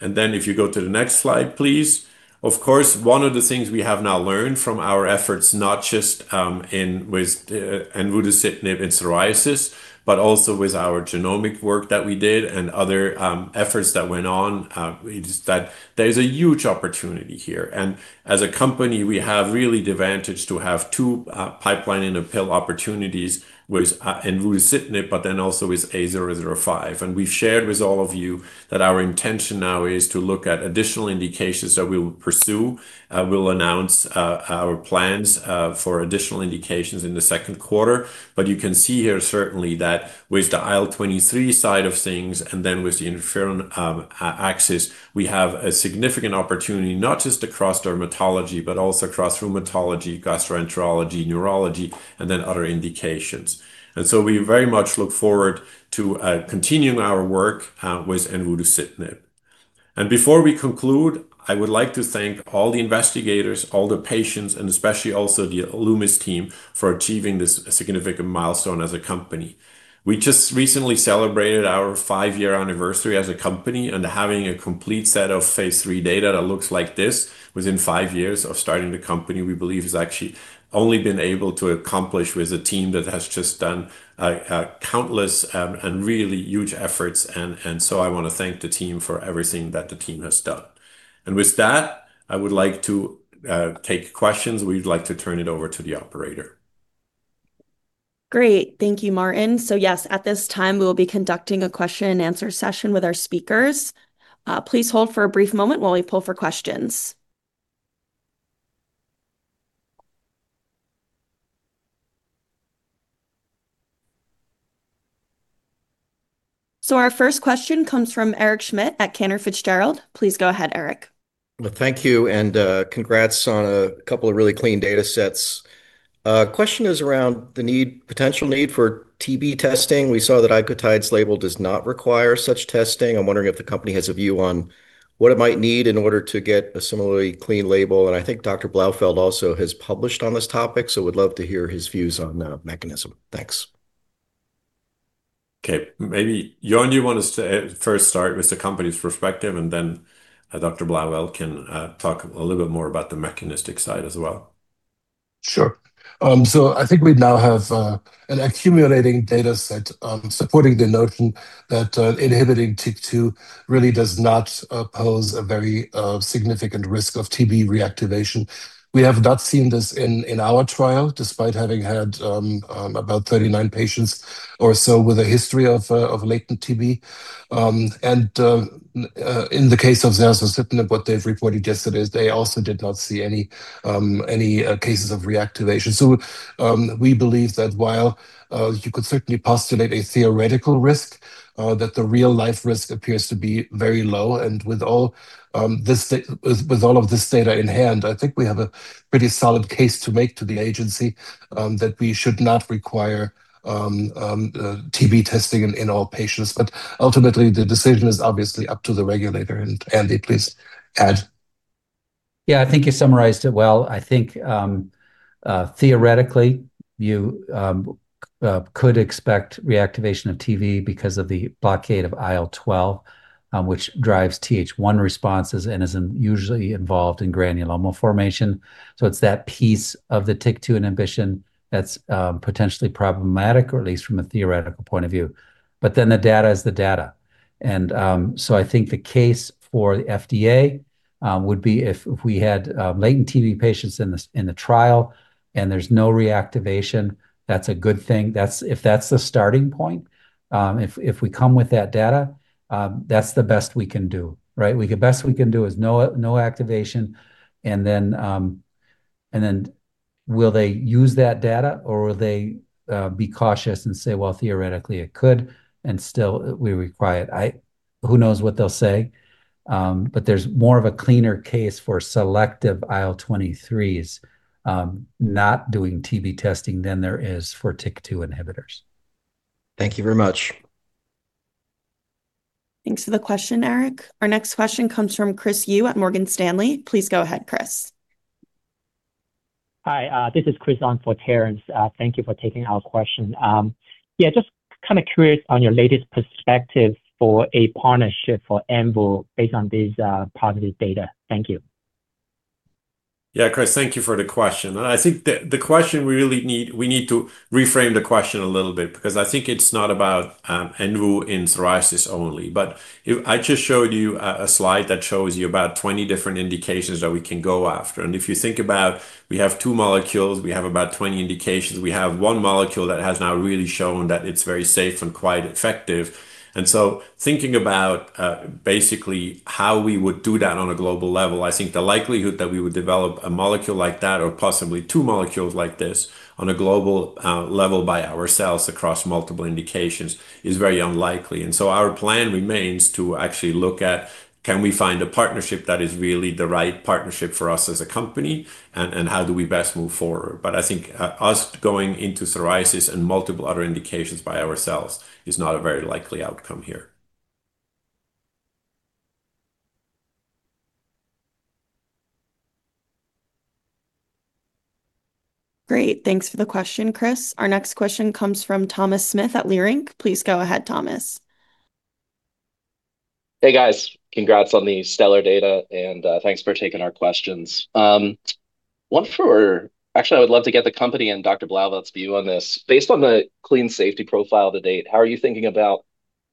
[SPEAKER 3] If you go to the next slide, please. Of course, one of the things we have now learned from our efforts, not just with ESK-001 in psoriasis, but also with our genomic work that we did and other efforts that went on, is that there is a huge opportunity here. As a company, we have really the advantage to have two pipeline-in-a-pill opportunities with ESK-001, but then also with A-005. We've shared with all of you that our intention now is to look at additional indications that we'll pursue. We'll announce our plans for additional indications in the second quarter. You can see here certainly that with the IL-23 side of things and then with the interferon alpha axis, we have a significant opportunity not just across dermatology, but also across rheumatology, gastroenterology, neurology, and then other indications. We very much look forward to continuing our work with ESK-001. Before we conclude, I would like to thank all the investigators, all the patients, and especially also the Alumis team for achieving this significant milestone as a company. We just recently celebrated our five-year anniversary as a company, and having a complete set of phase III data that looks like this within five years of starting the company, we believe has actually only been able to accomplish with a team that has just done countless and really huge efforts. I wanna thank the team for everything that the team has done. With that, I would like to take questions. We'd like to turn it over to the operator.
[SPEAKER 1] Great. Thank you, Martin. Yes, at this time, we will be conducting a question-and-answer session with our speakers. Please hold for a brief moment while we poll for questions. Our first question comes from Eric Schmidt at Cantor Fitzgerald. Please go ahead, Eric.
[SPEAKER 6] Well, thank you, and congrats on a couple of really clean data sets. Question is around the potential need for TB testing. We saw that icotrokinra's label does not require such testing. I'm wondering if the company has a view on what it might need in order to get a similarly clean label. I think Dr. Blauvelt also has published on this topic, so we'd love to hear his views on the mechanism. Thanks.
[SPEAKER 3] Okay. Maybe, Jörn, do you want us to first start with the company's perspective, and then, Dr. Blauvelt can talk a little bit more about the mechanistic side as well?
[SPEAKER 5] Sure. I think we now have an accumulating data set supporting the notion that inhibiting TYK2 really does not pose a very significant risk of TB reactivation. We have not seen this in our trial, despite having had about 39 patients or so with a history of latent TB. In the case of zasocitinib, what they've reported yesterday is they also did not see any cases of reactivation. We believe that while you could certainly postulate a theoretical risk, that the real-life risk appears to be very low. With all of this data in hand, I think we have a pretty solid case to make to the agency that we should not require TB testing in all patients. But ultimately, the decision is obviously up to the regulator. Andy, please add.
[SPEAKER 4] Yeah, I think you summarized it well. I think theoretically you could expect reactivation of TB because of the blockade of IL-12, which drives TH1 responses and is usually involved in granuloma formation. It's that piece of the TYK2 inhibition that's potentially problematic, or at least from a theoretical point of view. Then the data is the data. I think the case for the FDA would be if we had latent TB patients in the trial and there's no reactivation, that's a good thing. That's if that's the starting point, if we come with that data, that's the best we can do, right? The best we can do is no activation, and then will they use that data, or will they be cautious and say, "Well, theoretically, it could," and still require it. Who knows what they'll say? There's more of a cleaner case for selective IL-23s not doing TB testing than there is for TYK2 inhibitors.
[SPEAKER 6] Thank you very much.
[SPEAKER 1] Thanks for the question, Eric. Our next question comes from Chris Yu at Morgan Stanley. Please go ahead, Chris.
[SPEAKER 7] Hi, this is Chris on for Terence. Thank you for taking our question. Just kind of curious on your latest perspective for a partnership for envudeucitinib based on this positive data. Thank you.
[SPEAKER 3] Yeah, Chris, thank you for the question. I think the question we really need to reframe a little bit, because I think it's not about envudeucitinib in psoriasis only. I just showed you a slide that shows you about 20 different indications that we can go after. If you think about we have two molecules, we have about 20 indications. We have one molecule that has now really shown that it's very safe and quite effective. Thinking about basically how we would do that on a global level, I think the likelihood that we would develop a molecule like that or possibly two molecules like this on a global level by ourselves across multiple indications is very unlikely. Our plan remains to actually look at can we find a partnership that is really the right partnership for us as a company, and how do we best move forward? I think us going into psoriasis and multiple other indications by ourselves is not a very likely outcome here.
[SPEAKER 1] Great. Thanks for the question, Chris. Our next question comes from Thomas Smith at Leerink. Please go ahead, Thomas.
[SPEAKER 8] Hey, guys. Congrats on the stellar data, and thanks for taking our questions. Actually, I would love to get the company and Dr. Blauvelt's view on this. Based on the clean safety profile to date, how are you thinking about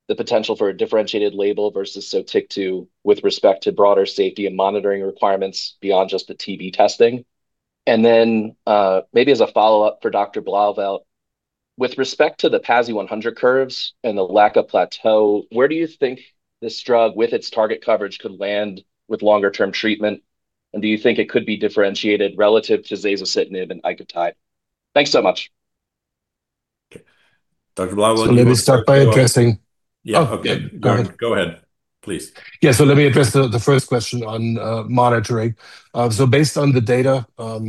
[SPEAKER 8] the potential for a differentiated label versus Sotyktu with respect to broader safety and monitoring requirements beyond just the TB testing? And then, maybe as a follow-up for Dr. Blauvelt, with respect to the PASI 100 curves and the lack of plateau, where do you think this drug with its target coverage could land with longer-term treatment? And do you think it could be differentiated relative to zasocitinib and icotrokinra? Thanks so much.
[SPEAKER 3] Okay. Dr. Blauvelt.
[SPEAKER 5] Let me start by addressing.
[SPEAKER 3] Yeah.
[SPEAKER 5] Oh, okay. Go ahead.
[SPEAKER 3] Go ahead, please.
[SPEAKER 5] Yeah. Let me address the first question on monitoring. Based on the data,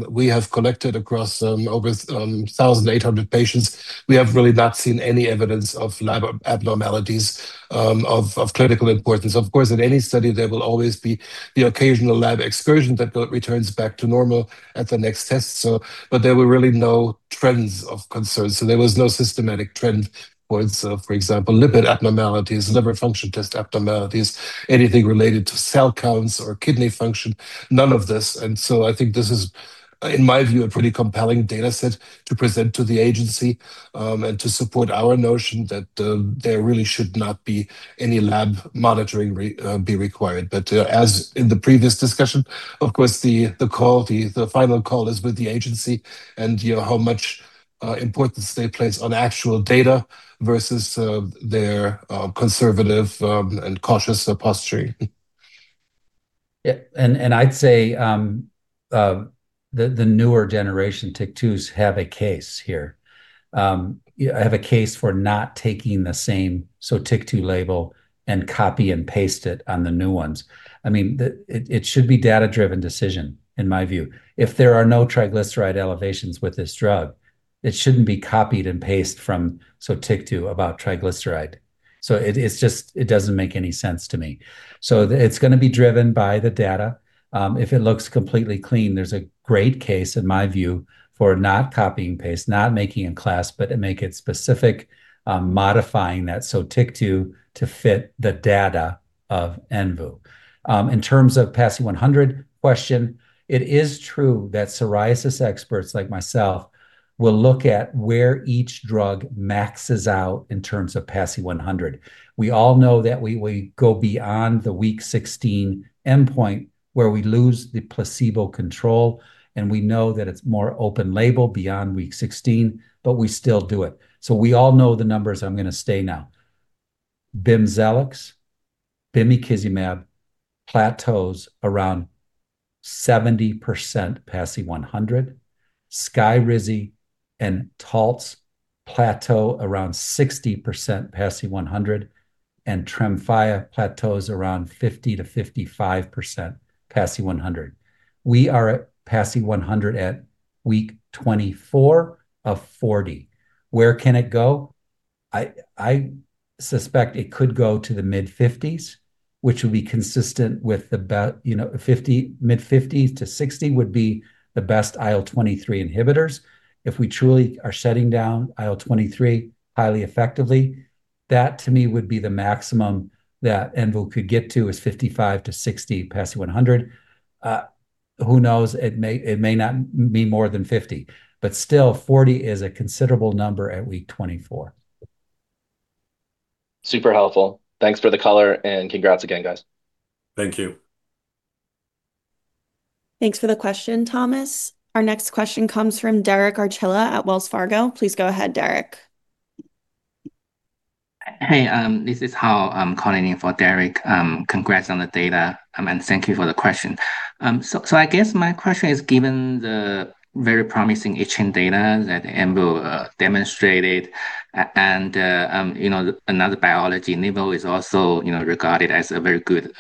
[SPEAKER 5] we have collected across over 1,800 patients, we have really not seen any evidence of lab abnormalities of clinical importance. Of course, in any study, there will always be the occasional lab excursion that returns back to normal at the next test. There were really no trends of concern. There was no systematic trend towards, for example, lipid abnormalities, liver function test abnormalities, anything related to cell counts or kidney function, none of this. I think this is, in my view, a pretty compelling data set to present to the agency, and to support our notion that there really should not be any lab monitoring be required. As in the previous discussion, of course, the final call is with the agency and, you know, how much importance they place on actual data versus their conservative and cautious posturing.
[SPEAKER 4] Yeah, I'd say the newer generation TYK2s have a case here. They have a case for not taking the same Sotyktu label and copy and paste it on the new ones. I mean, it should be a data-driven decision in my view. If there are no triglyceride elevations with this drug, it shouldn't be copied and paste from Sotyktu about triglyceride. It's just, it doesn't make any sense to me. It's gonna be driven by the data. If it looks completely clean, there's a great case, in my view, for not copying paste, not making a class, but to make it specific, modifying that Sotyktu to fit the data of envudeucitinib. In terms of PASI 100 question, it is true that psoriasis experts like myself will look at where each drug maxes out in terms of PASI 100. We all know that we go beyond the week 16 endpoint where we lose the placebo control, and we know that it's more open label beyond week 16, but we still do it. We all know the numbers I'm gonna state now. BIMZELX, bimekizumab plateaus around 70% PASI 100. SKYRIZI and Taltz plateau around 60% PASI 100, and TREMFYA plateaus around 50%-55% PASI 100. We are at PASI 100 at week 24 of 40. Where can it go? I suspect it could go to the mid-50s%, which will be consistent with about, you know, 50%, mid-50%-60% would be the best IL-23 inhibitors. If we truly are shutting down IL-23 highly effectively, that to me would be the maximum that envudeucitinib could get to, is 55%-60% PASI 100. Who knows? It may not be more than 50%. But still, 40% is a considerable number at week 24.
[SPEAKER 8] Super helpful. Thanks for the color, and congrats again, guys.
[SPEAKER 3] Thank you.
[SPEAKER 1] Thanks for the question, Thomas. Our next question comes from Derek Archila at Wells Fargo. Please go ahead, Derek.
[SPEAKER 9] Hey, this is Hao. I'm calling in for Derek Archila. Congrats on the data, and thank you for the question. I guess my question is, given the very promising itching data that envudeucitinib demonstrated and, you know, another biologic is also, you know, regarded as a very good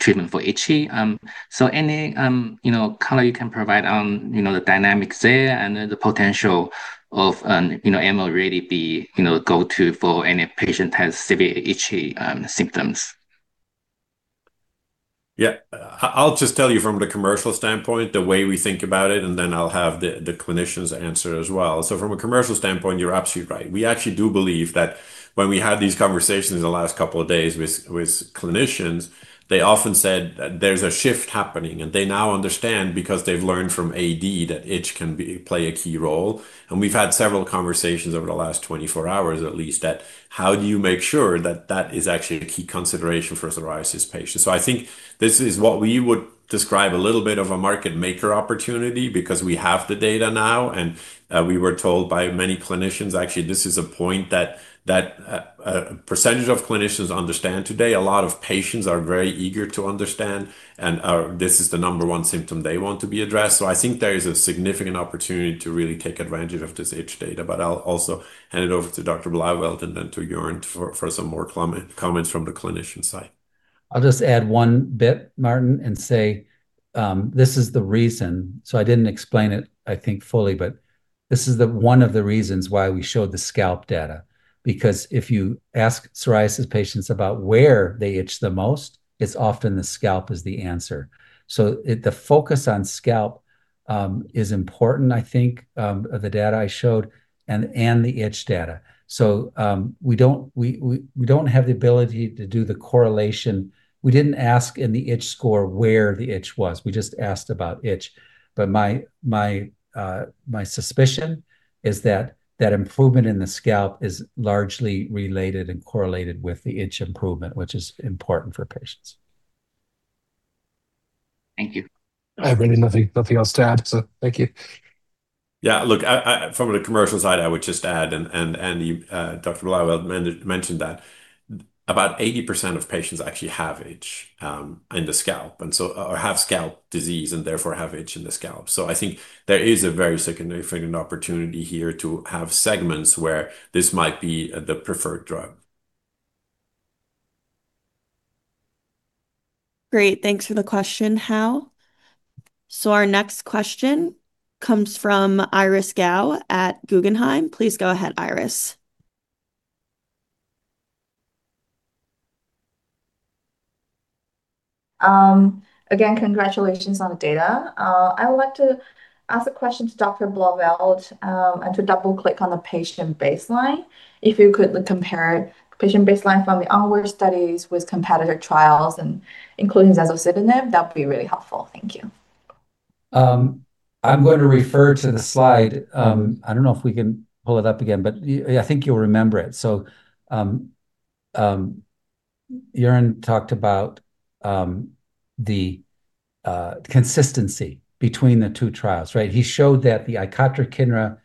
[SPEAKER 9] treatment for itch. Any, you know, color you can provide on, you know, the dynamics there and then the potential of, you know, envudeucitinib really be go-to for any patient who has severe itch symptoms?
[SPEAKER 3] Yeah. I'll just tell you from the commercial standpoint the way we think about it, and then I'll have the clinicians answer as well. From a commercial standpoint, you're absolutely right. We actually do believe that when we had these conversations in the last couple of days with clinicians, they often said there's a shift happening, and they now understand because they've learned from AD that itch can play a key role. We've had several conversations over the last 24 hours at least on how do you make sure that that is actually a key consideration for a psoriasis patient. I think this is what we would describe a little bit of a market maker opportunity because we have the data now, and we were told by many clinicians. Actually, this is a point that a percentage of clinicians understand today. A lot of patients are very eager to understand, and this is the number one symptom they want to be addressed. I think there is a significant opportunity to really take advantage of this itch data. I'll also hand it over to Dr. Blauvelt and then to Jörn for some more comments from the clinician side.
[SPEAKER 4] I'll just add one bit, Martin, and say, this is the reason. I didn't explain it, I think, fully, but this is one of the reasons why we showed the scalp data. Because if you ask psoriasis patients about where they itch the most, it's often the scalp is the answer. The focus on scalp is important, I think, the data I showed and the itch data. We don't have the ability to do the correlation. We didn't ask in the itch score where the itch was. We just asked about itch. But my suspicion is that that improvement in the scalp is largely related and correlated with the itch improvement, which is important for patients.
[SPEAKER 9] Thank you.
[SPEAKER 5] I have really nothing else to add. Thank you.
[SPEAKER 3] Yeah. Look, from the commercial side, I would just add, you, Dr. Blauvelt mentioned that about 80% of patients actually have itch in the scalp or have scalp disease and therefore have itch in the scalp. I think there is a very significant opportunity here to have segments where this might be the preferred drug.
[SPEAKER 1] Great. Thanks for the question, Hao. So our next question comes from Iris Gao at Guggenheim. Please go ahead, Iris.
[SPEAKER 10] Again, congratulations on the data. I would like to ask a question to Dr. Blauvelt, and to double-click on the patient baseline. If you could compare patient baseline from the ONWARD studies with competitor trials and including zasocitinib, that would be really helpful. Thank you.
[SPEAKER 4] I'm going to refer to the slide. I don't know if we can pull it up again, but I think you'll remember it. Jörn talked about the consistency between the two trials, right? He showed that the icotrokinra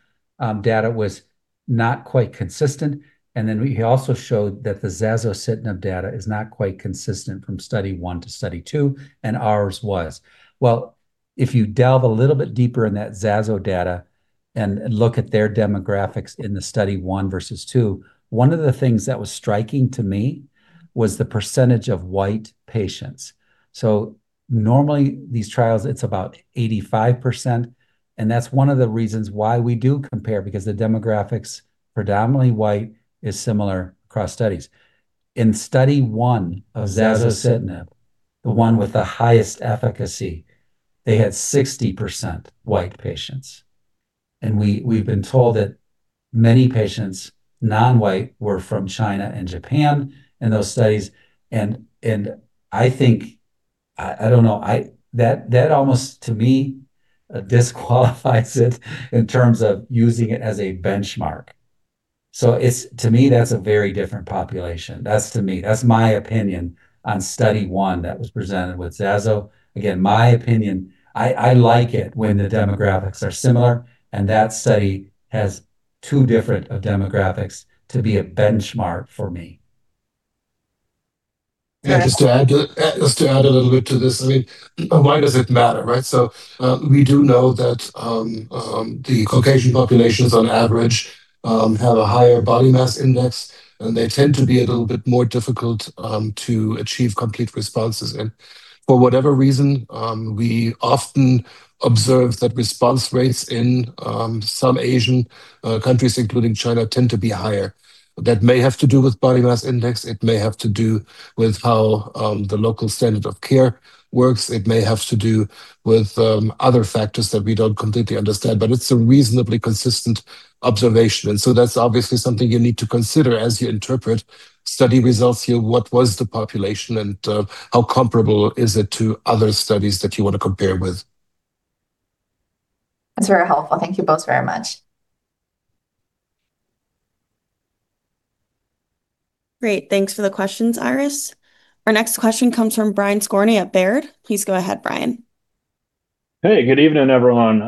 [SPEAKER 4] data was not quite consistent. Then we also showed that the zasocitinib data is not quite consistent from study 1 to study 2, and ours was. Well, if you delve a little bit deeper in that zasocitinib data and look at their demographics in the study 1 versus 2, one of the things that was striking to me was the percentage of white patients. Normally, these trials, it's about 85%, and that's one of the reasons why we do compare, because the demographics, predominantly white, is similar across studies. In study 1 of zasocitinib, the one with the highest efficacy, they had 60% white patients. We've been told that many patients, non-white, were from China and Japan in those studies. I think I don't know. That almost, to me, disqualifies it in terms of using it as a benchmark. To me, that's a very different population. That's to me. That's my opinion on study one that was presented with zasocitinib. Again, my opinion. I like it when the demographics are similar, and that study has too different of demographics to be a benchmark for me.
[SPEAKER 5] Yeah. Just to add a little bit to this. I mean, why does it matter, right? We do know that the Caucasian populations on average have a higher body mass index, and they tend to be a little bit more difficult to achieve complete responses. For whatever reason, we often observe that response rates in some Asian countries, including China, tend to be higher. That may have to do with body mass index. It may have to do with how the local standard of care works. It may have to do with other factors that we don't completely understand. It's a reasonably consistent observation. That's obviously something you need to consider as you interpret study results here. What was the population, and, how comparable is it to other studies that you want to compare with?
[SPEAKER 10] That's very helpful. Thank you both very much.
[SPEAKER 1] Great. Thanks for the questions, Iris. Our next question comes from Brian Skorney at Baird. Please go ahead, Brian.
[SPEAKER 11] Hey, good evening, everyone.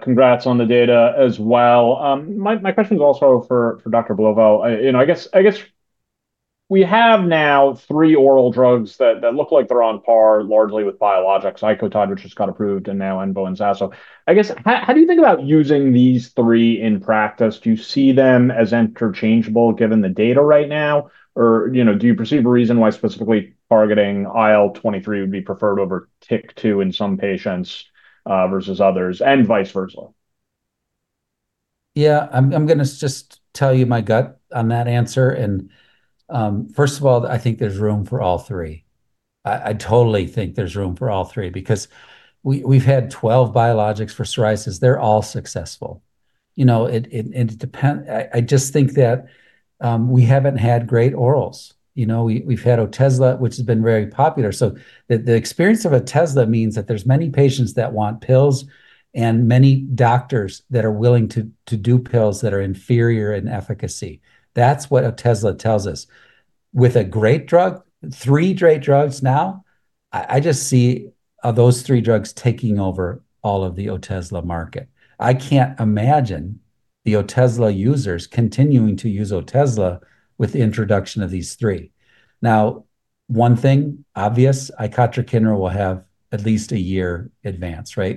[SPEAKER 11] Congrats on the data as well. My question is also for Dr. Blauvelt. You know, I guess we have now three oral drugs that look like they're on par largely with biologics. Icotrokinra, which just got approved, and now envudeucitinib and zasocitinib. I guess, how do you think about using these three in practice? Do you see them as interchangeable given the data right now? Or, you know, do you perceive a reason why specifically targeting IL-23 would be preferred over TYK2 in some patients versus others, and vice versa?
[SPEAKER 4] Yeah. I'm gonna just tell you my gut on that answer. First of all, I think there's room for all three. I totally think there's room for all three because we've had 12 biologics for psoriasis. They're all successful. I just think that we haven't had great orals. You know, we've had Otezla, which has been very popular. So the experience of Otezla means that there's many patients that want pills and many doctors that are willing to do pills that are inferior in efficacy. That's what Otezla tells us. With a great drug, three great drugs now, I just see those three drugs taking over all of the Otezla market. I can't imagine the Otezla users continuing to use Otezla with the introduction of these three. Now, one thing, obvious, icotrokinra will have at least a year advance, right?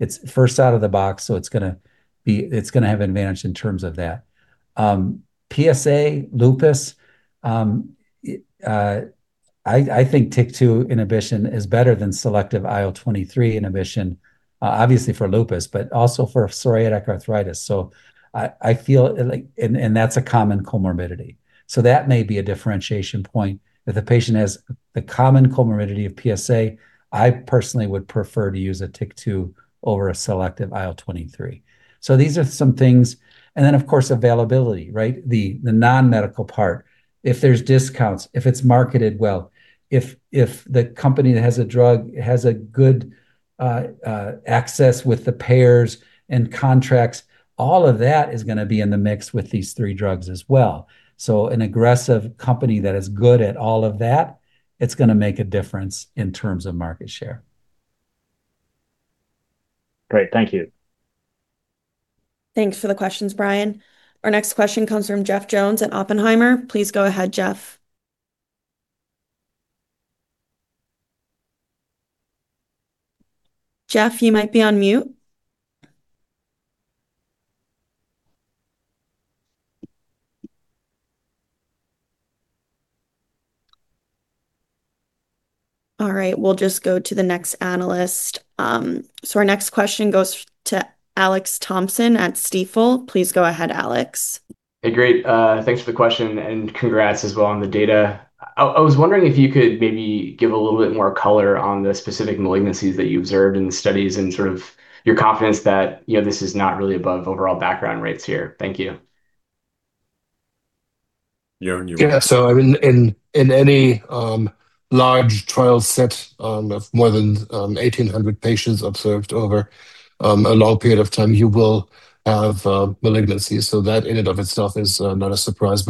[SPEAKER 4] It's first out of the box, so it's gonna have advantage in terms of that. PSA, lupus, it, I think TYK2 inhibition is better than selective IL-23 inhibition, obviously for lupus, but also for psoriatic arthritis. I feel like and that's a common comorbidity. That may be a differentiation point. If the patient has the common comorbidity of PSA, I personally would prefer to use a TYK2 over a selective IL-23. These are some things. Then, of course, availability, right? The non-medical part. If there's discounts, if it's marketed well, if the company that has a drug has a good access with the payers and contracts, all of that is gonna be in the mix with these three drugs as well. An aggressive company that is good at all of that, it's gonna make a difference in terms of market share.
[SPEAKER 11] Great. Thank you.
[SPEAKER 1] Thanks for the questions, Brian. Our next question comes from Jeff Jones at Oppenheimer. Please go ahead, Jeff. Jeff, you might be on mute. All right, we'll just go to the next analyst. Our next question goes to Alex Thompson at Stifel. Please go ahead, Alex.
[SPEAKER 12] Hey, great. Thanks for the question, and congrats as well on the data. I was wondering if you could maybe give a little bit more color on the specific malignancies that you observed in the studies and sort of your confidence that, you know, this is not really above overall background rates here. Thank you.
[SPEAKER 5] Yeah. I mean, in any large trial set of more than 1,800 patients observed over a long period of time, you will have malignancies. That in and of itself is not a surprise.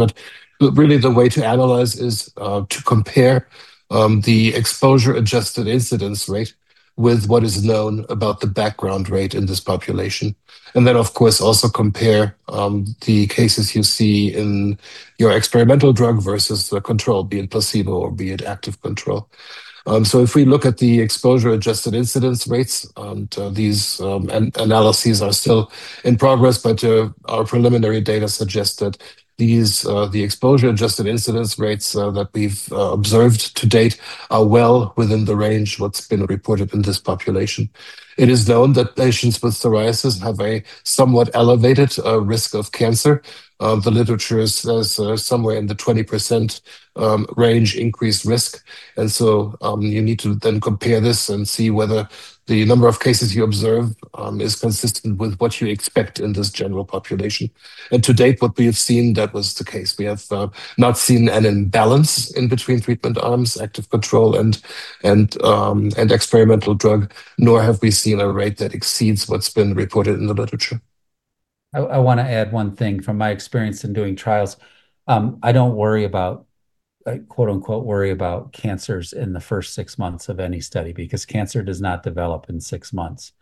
[SPEAKER 5] Really the way to analyze is to compare the exposure-adjusted incidence rate with what is known about the background rate in this population. Then of course, also compare the cases you see in your experimental drug versus the control, be it placebo or be it active control. If we look at the exposure-adjusted incidence rates, these analyses are still in progress, but our preliminary data suggests that these the exposure-adjusted incidence rates that we've observed to date are well within the range what's been reported in this population. It is known that patients with psoriasis have a somewhat elevated risk of cancer. The literature is somewhere in the 20% range increased risk. You need to then compare this and see whether the number of cases you observe is consistent with what you expect in this general population. To date, what we have seen, that was the case. We have not seen an imbalance in between treatment arms, active control, and experimental drug, nor have we seen a rate that exceeds what's been reported in the literature.
[SPEAKER 4] I wanna add one thing from my experience in doing trials. I don't worry about quote-unquote worry about cancers in the first six months of any study because cancer does not develop in six months.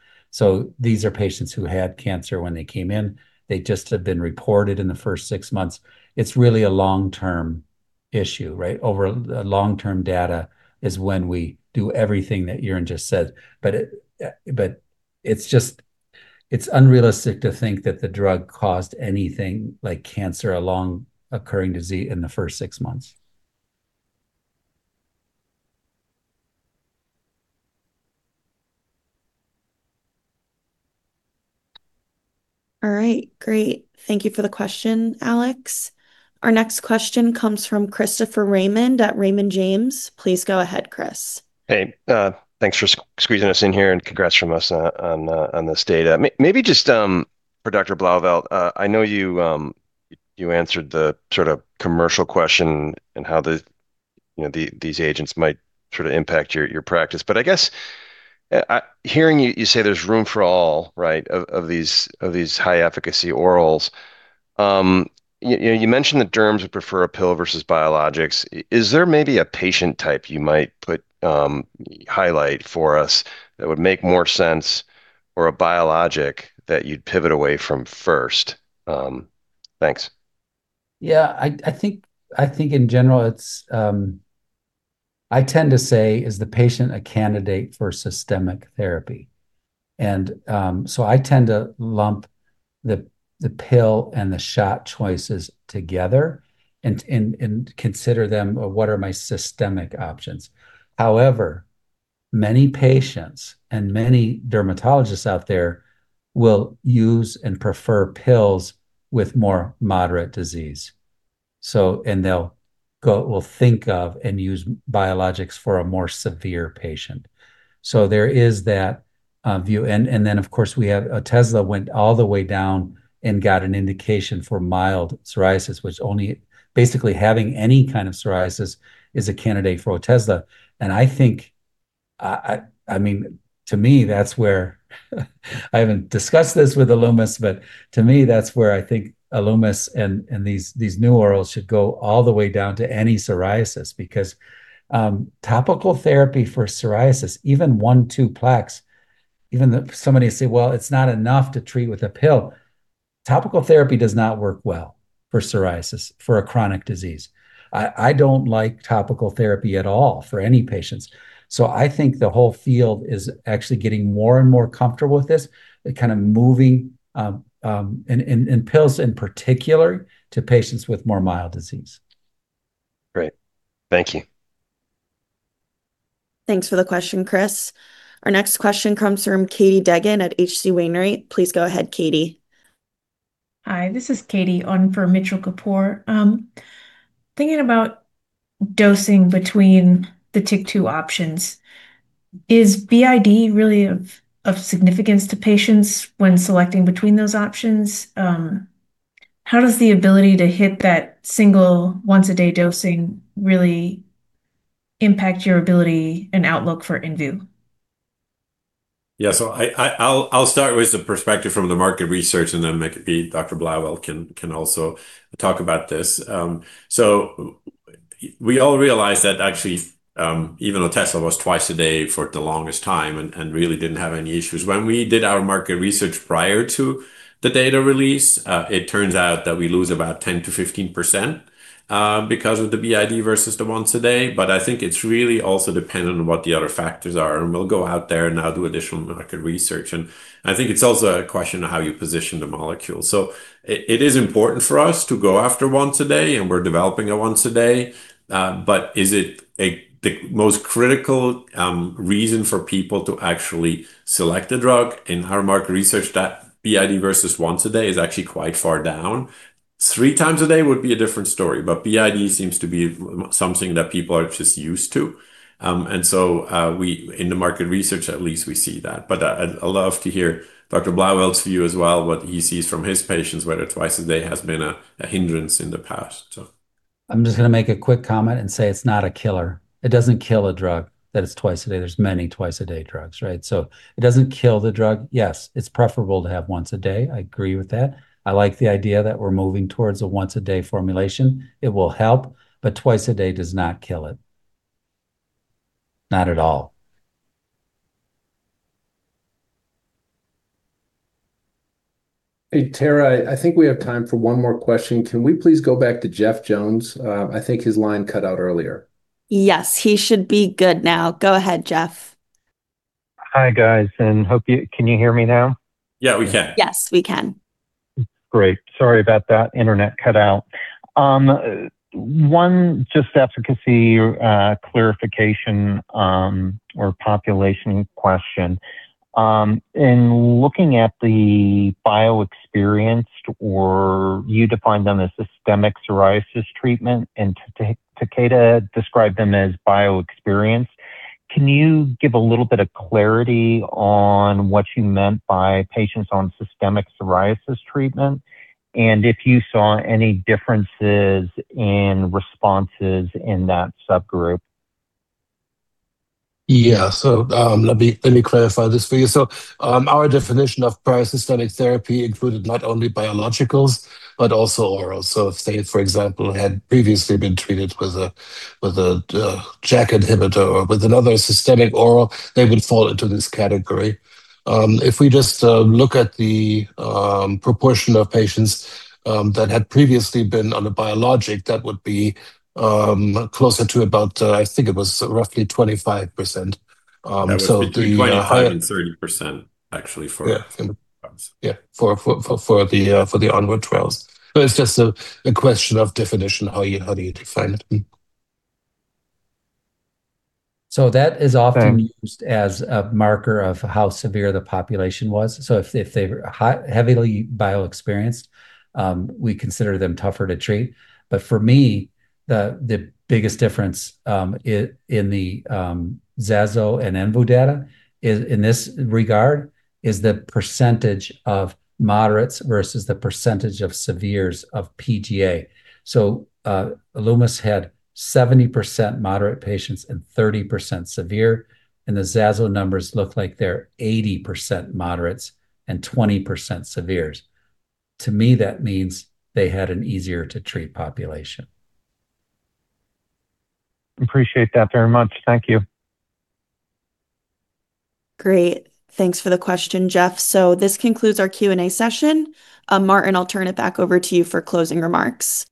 [SPEAKER 4] These are patients who had cancer when they came in. They just have been reported in the first six months. It's really a long-term issue, right? Over the long-term data is when we do everything that Jörn just said. It's unrealistic to think that the drug caused anything like cancer, a long occurring disease, in the first six months.
[SPEAKER 1] All right. Great. Thank you for the question, Alex. Our next question comes from Christopher Raymond at Raymond James. Please go ahead, Chris.
[SPEAKER 13] Hey, thanks for squeezing us in here, and congrats from us on this data. Maybe just for Dr. Blauvelt, I know you answered the sort of commercial question in how the, you know, these agents might sort of impact your practice. I guess hearing you say there's room for all, right, of these high-efficacy orals. You know, you mentioned that derms would prefer a pill versus biologics. Is there maybe a patient type you might highlight for us that would make more sense or a biologic that you'd pivot away from first? Thanks.
[SPEAKER 4] Yeah. I think in general, I tend to say, "Is the patient a candidate for systemic therapy?" I tend to lump the pill and the shot choices together and consider them, "What are my systemic options?" However, many patients and many dermatologists out there will use and prefer pills with more moderate disease. They'll think of and use biologics for a more severe patient. There is that view. Of course, we have Otezla went all the way down and got an indication for mild psoriasis, basically having any kind of psoriasis is a candidate for Otezla. I think, I mean, to me, that's where I haven't discussed this with Alumis, but to me, that's where I think Alumis and these new orals should go all the way down to any psoriasis because topical therapy for psoriasis, even one, two plaques. Somebody will say, "Well, it's not enough to treat with a pill." Topical therapy does not work well for psoriasis for a chronic disease. I don't like topical therapy at all for any patients. I think the whole field is actually getting more and more comfortable with this, kind of moving in pills in particular to patients with more mild disease.
[SPEAKER 13] Great. Thank you.
[SPEAKER 1] Thanks for the question, Chris. Our next question comes from Katie Degen at H.C. Wainwright. Please go ahead, Katie.
[SPEAKER 14] Hi, this is Katie Degen on for Mitchell Kapoor. Thinking about dosing between the TYK2 options, is BID really of significance to patients when selecting between those options? How does the ability to hit that single once-a-day dosing really impact your ability and outlook for envudeucitinib?
[SPEAKER 3] Yeah. I'll start with the perspective from the market research, and then maybe Dr. Blauvelt can also talk about this. We all realized that actually, even Otezla was twice a day for the longest time and really didn't have any issues. When we did our market research prior to the data release, it turns out that we lose about 10%-15% because of the BID versus the once a day. I think it's really also dependent on what the other factors are, and we'll go out there and now do additional market research. I think it's also a question of how you position the molecule. It is important for us to go after once a day, and we're developing a once a day. Is it the most critical reason for people to actually select a drug? In our market research, that BID versus once a day is actually quite far down. Three times a day would be a different story, but BID seems to be something that people are just used to. In the market research, at least we see that. I'd love to hear Dr. Blauvelt's view as well, what he sees from his patients, whether twice a day has been a hindrance in the past.
[SPEAKER 4] I'm just gonna make a quick comment and say it's not a killer. It doesn't kill a drug that is twice a day. There's many twice-a-day drugs, right? So it doesn't kill the drug. Yes, it's preferable to have once a day, I agree with that. I like the idea that we're moving towards a once-a-day formulation. It will help, but twice a day does not kill it. Not at all.
[SPEAKER 2] Hey, Tara, I think we have time for one more question. Can we please go back to Jeff Jones? I think his line cut out earlier.
[SPEAKER 1] Yes. He should be good now. Go ahead, Jeff.
[SPEAKER 15] Hi, guys. Can you hear me now?
[SPEAKER 3] Yeah, we can.
[SPEAKER 1] Yes, we can.
[SPEAKER 15] Great. Sorry about that. Internet cut out. One just efficacy clarification, or population question. In looking at the bio-experienced or you defined them as systemic psoriasis treatment, and Takeda described them as bio-experienced. Can you give a little bit of clarity on what you meant by patients on systemic psoriasis treatment, and if you saw any differences in responses in that subgroup?
[SPEAKER 5] Yeah. Let me clarify this for you. Our definition of prior systemic therapy included not only biologicals but also oral. Say, for example, had previously been treated with a JAK inhibitor or with another systemic oral, they would fall into this category. If we just look at the proportion of patients that had previously been on a biologic, that would be closer to about, I think it was roughly 25%.
[SPEAKER 3] That was between 25% and 30%, actually.
[SPEAKER 5] For the ONWARD trials. It's just a question of definition, how do you define it.
[SPEAKER 4] That is often.
[SPEAKER 15] Thanks...
[SPEAKER 4] used as a marker of how severe the population was. If they were heavily bio-experienced, we consider them tougher to treat. For me, the biggest difference in the zasocitinib and envudeucitinib data is, in this regard, the percentage of moderates versus the percentage of severes of PGA. Alumis had 70% moderate patients and 30% severe, and the zasocitinib numbers look like they're 80% moderates and 20% severes. To me, that means they had an easier-to-treat population.
[SPEAKER 15] Appreciate that very much. Thank you.
[SPEAKER 1] Great. Thanks for the question, Jeff. This concludes our Q&A session. Martin, I'll turn it back over to you for closing remarks.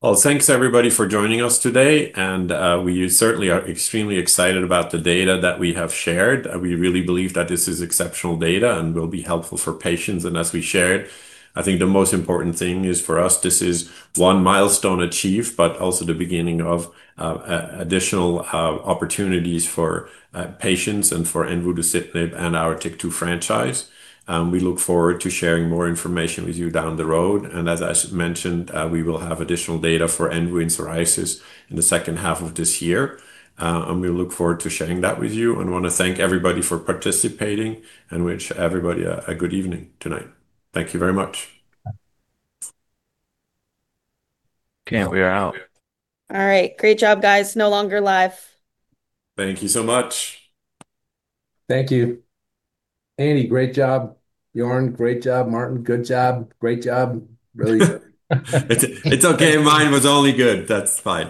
[SPEAKER 3] Well, thanks, everybody, for joining us today, and we certainly are extremely excited about the data that we have shared. We really believe that this is exceptional data and will be helpful for patients. As we shared, I think the most important thing is, for us, this is one milestone achieved, but also the beginning of additional opportunities for patients and for envudeucitinib and our TYK2 franchise. We look forward to sharing more information with you down the road. As I mentioned, we will have additional data for envudeucitinib in psoriasis in the second half of this year. We look forward to sharing that with you and wanna thank everybody for participating and wish everybody a good evening tonight. Thank you very much.
[SPEAKER 4] Okay. We are out.
[SPEAKER 1] All right. Great job, guys. No longer live.
[SPEAKER 3] Thank you so much.
[SPEAKER 2] Thank you. Andy, great job. Bjorn, great job. Martin, good job. Great job. Really good.
[SPEAKER 3] It's okay. Mine was only good. That's fine.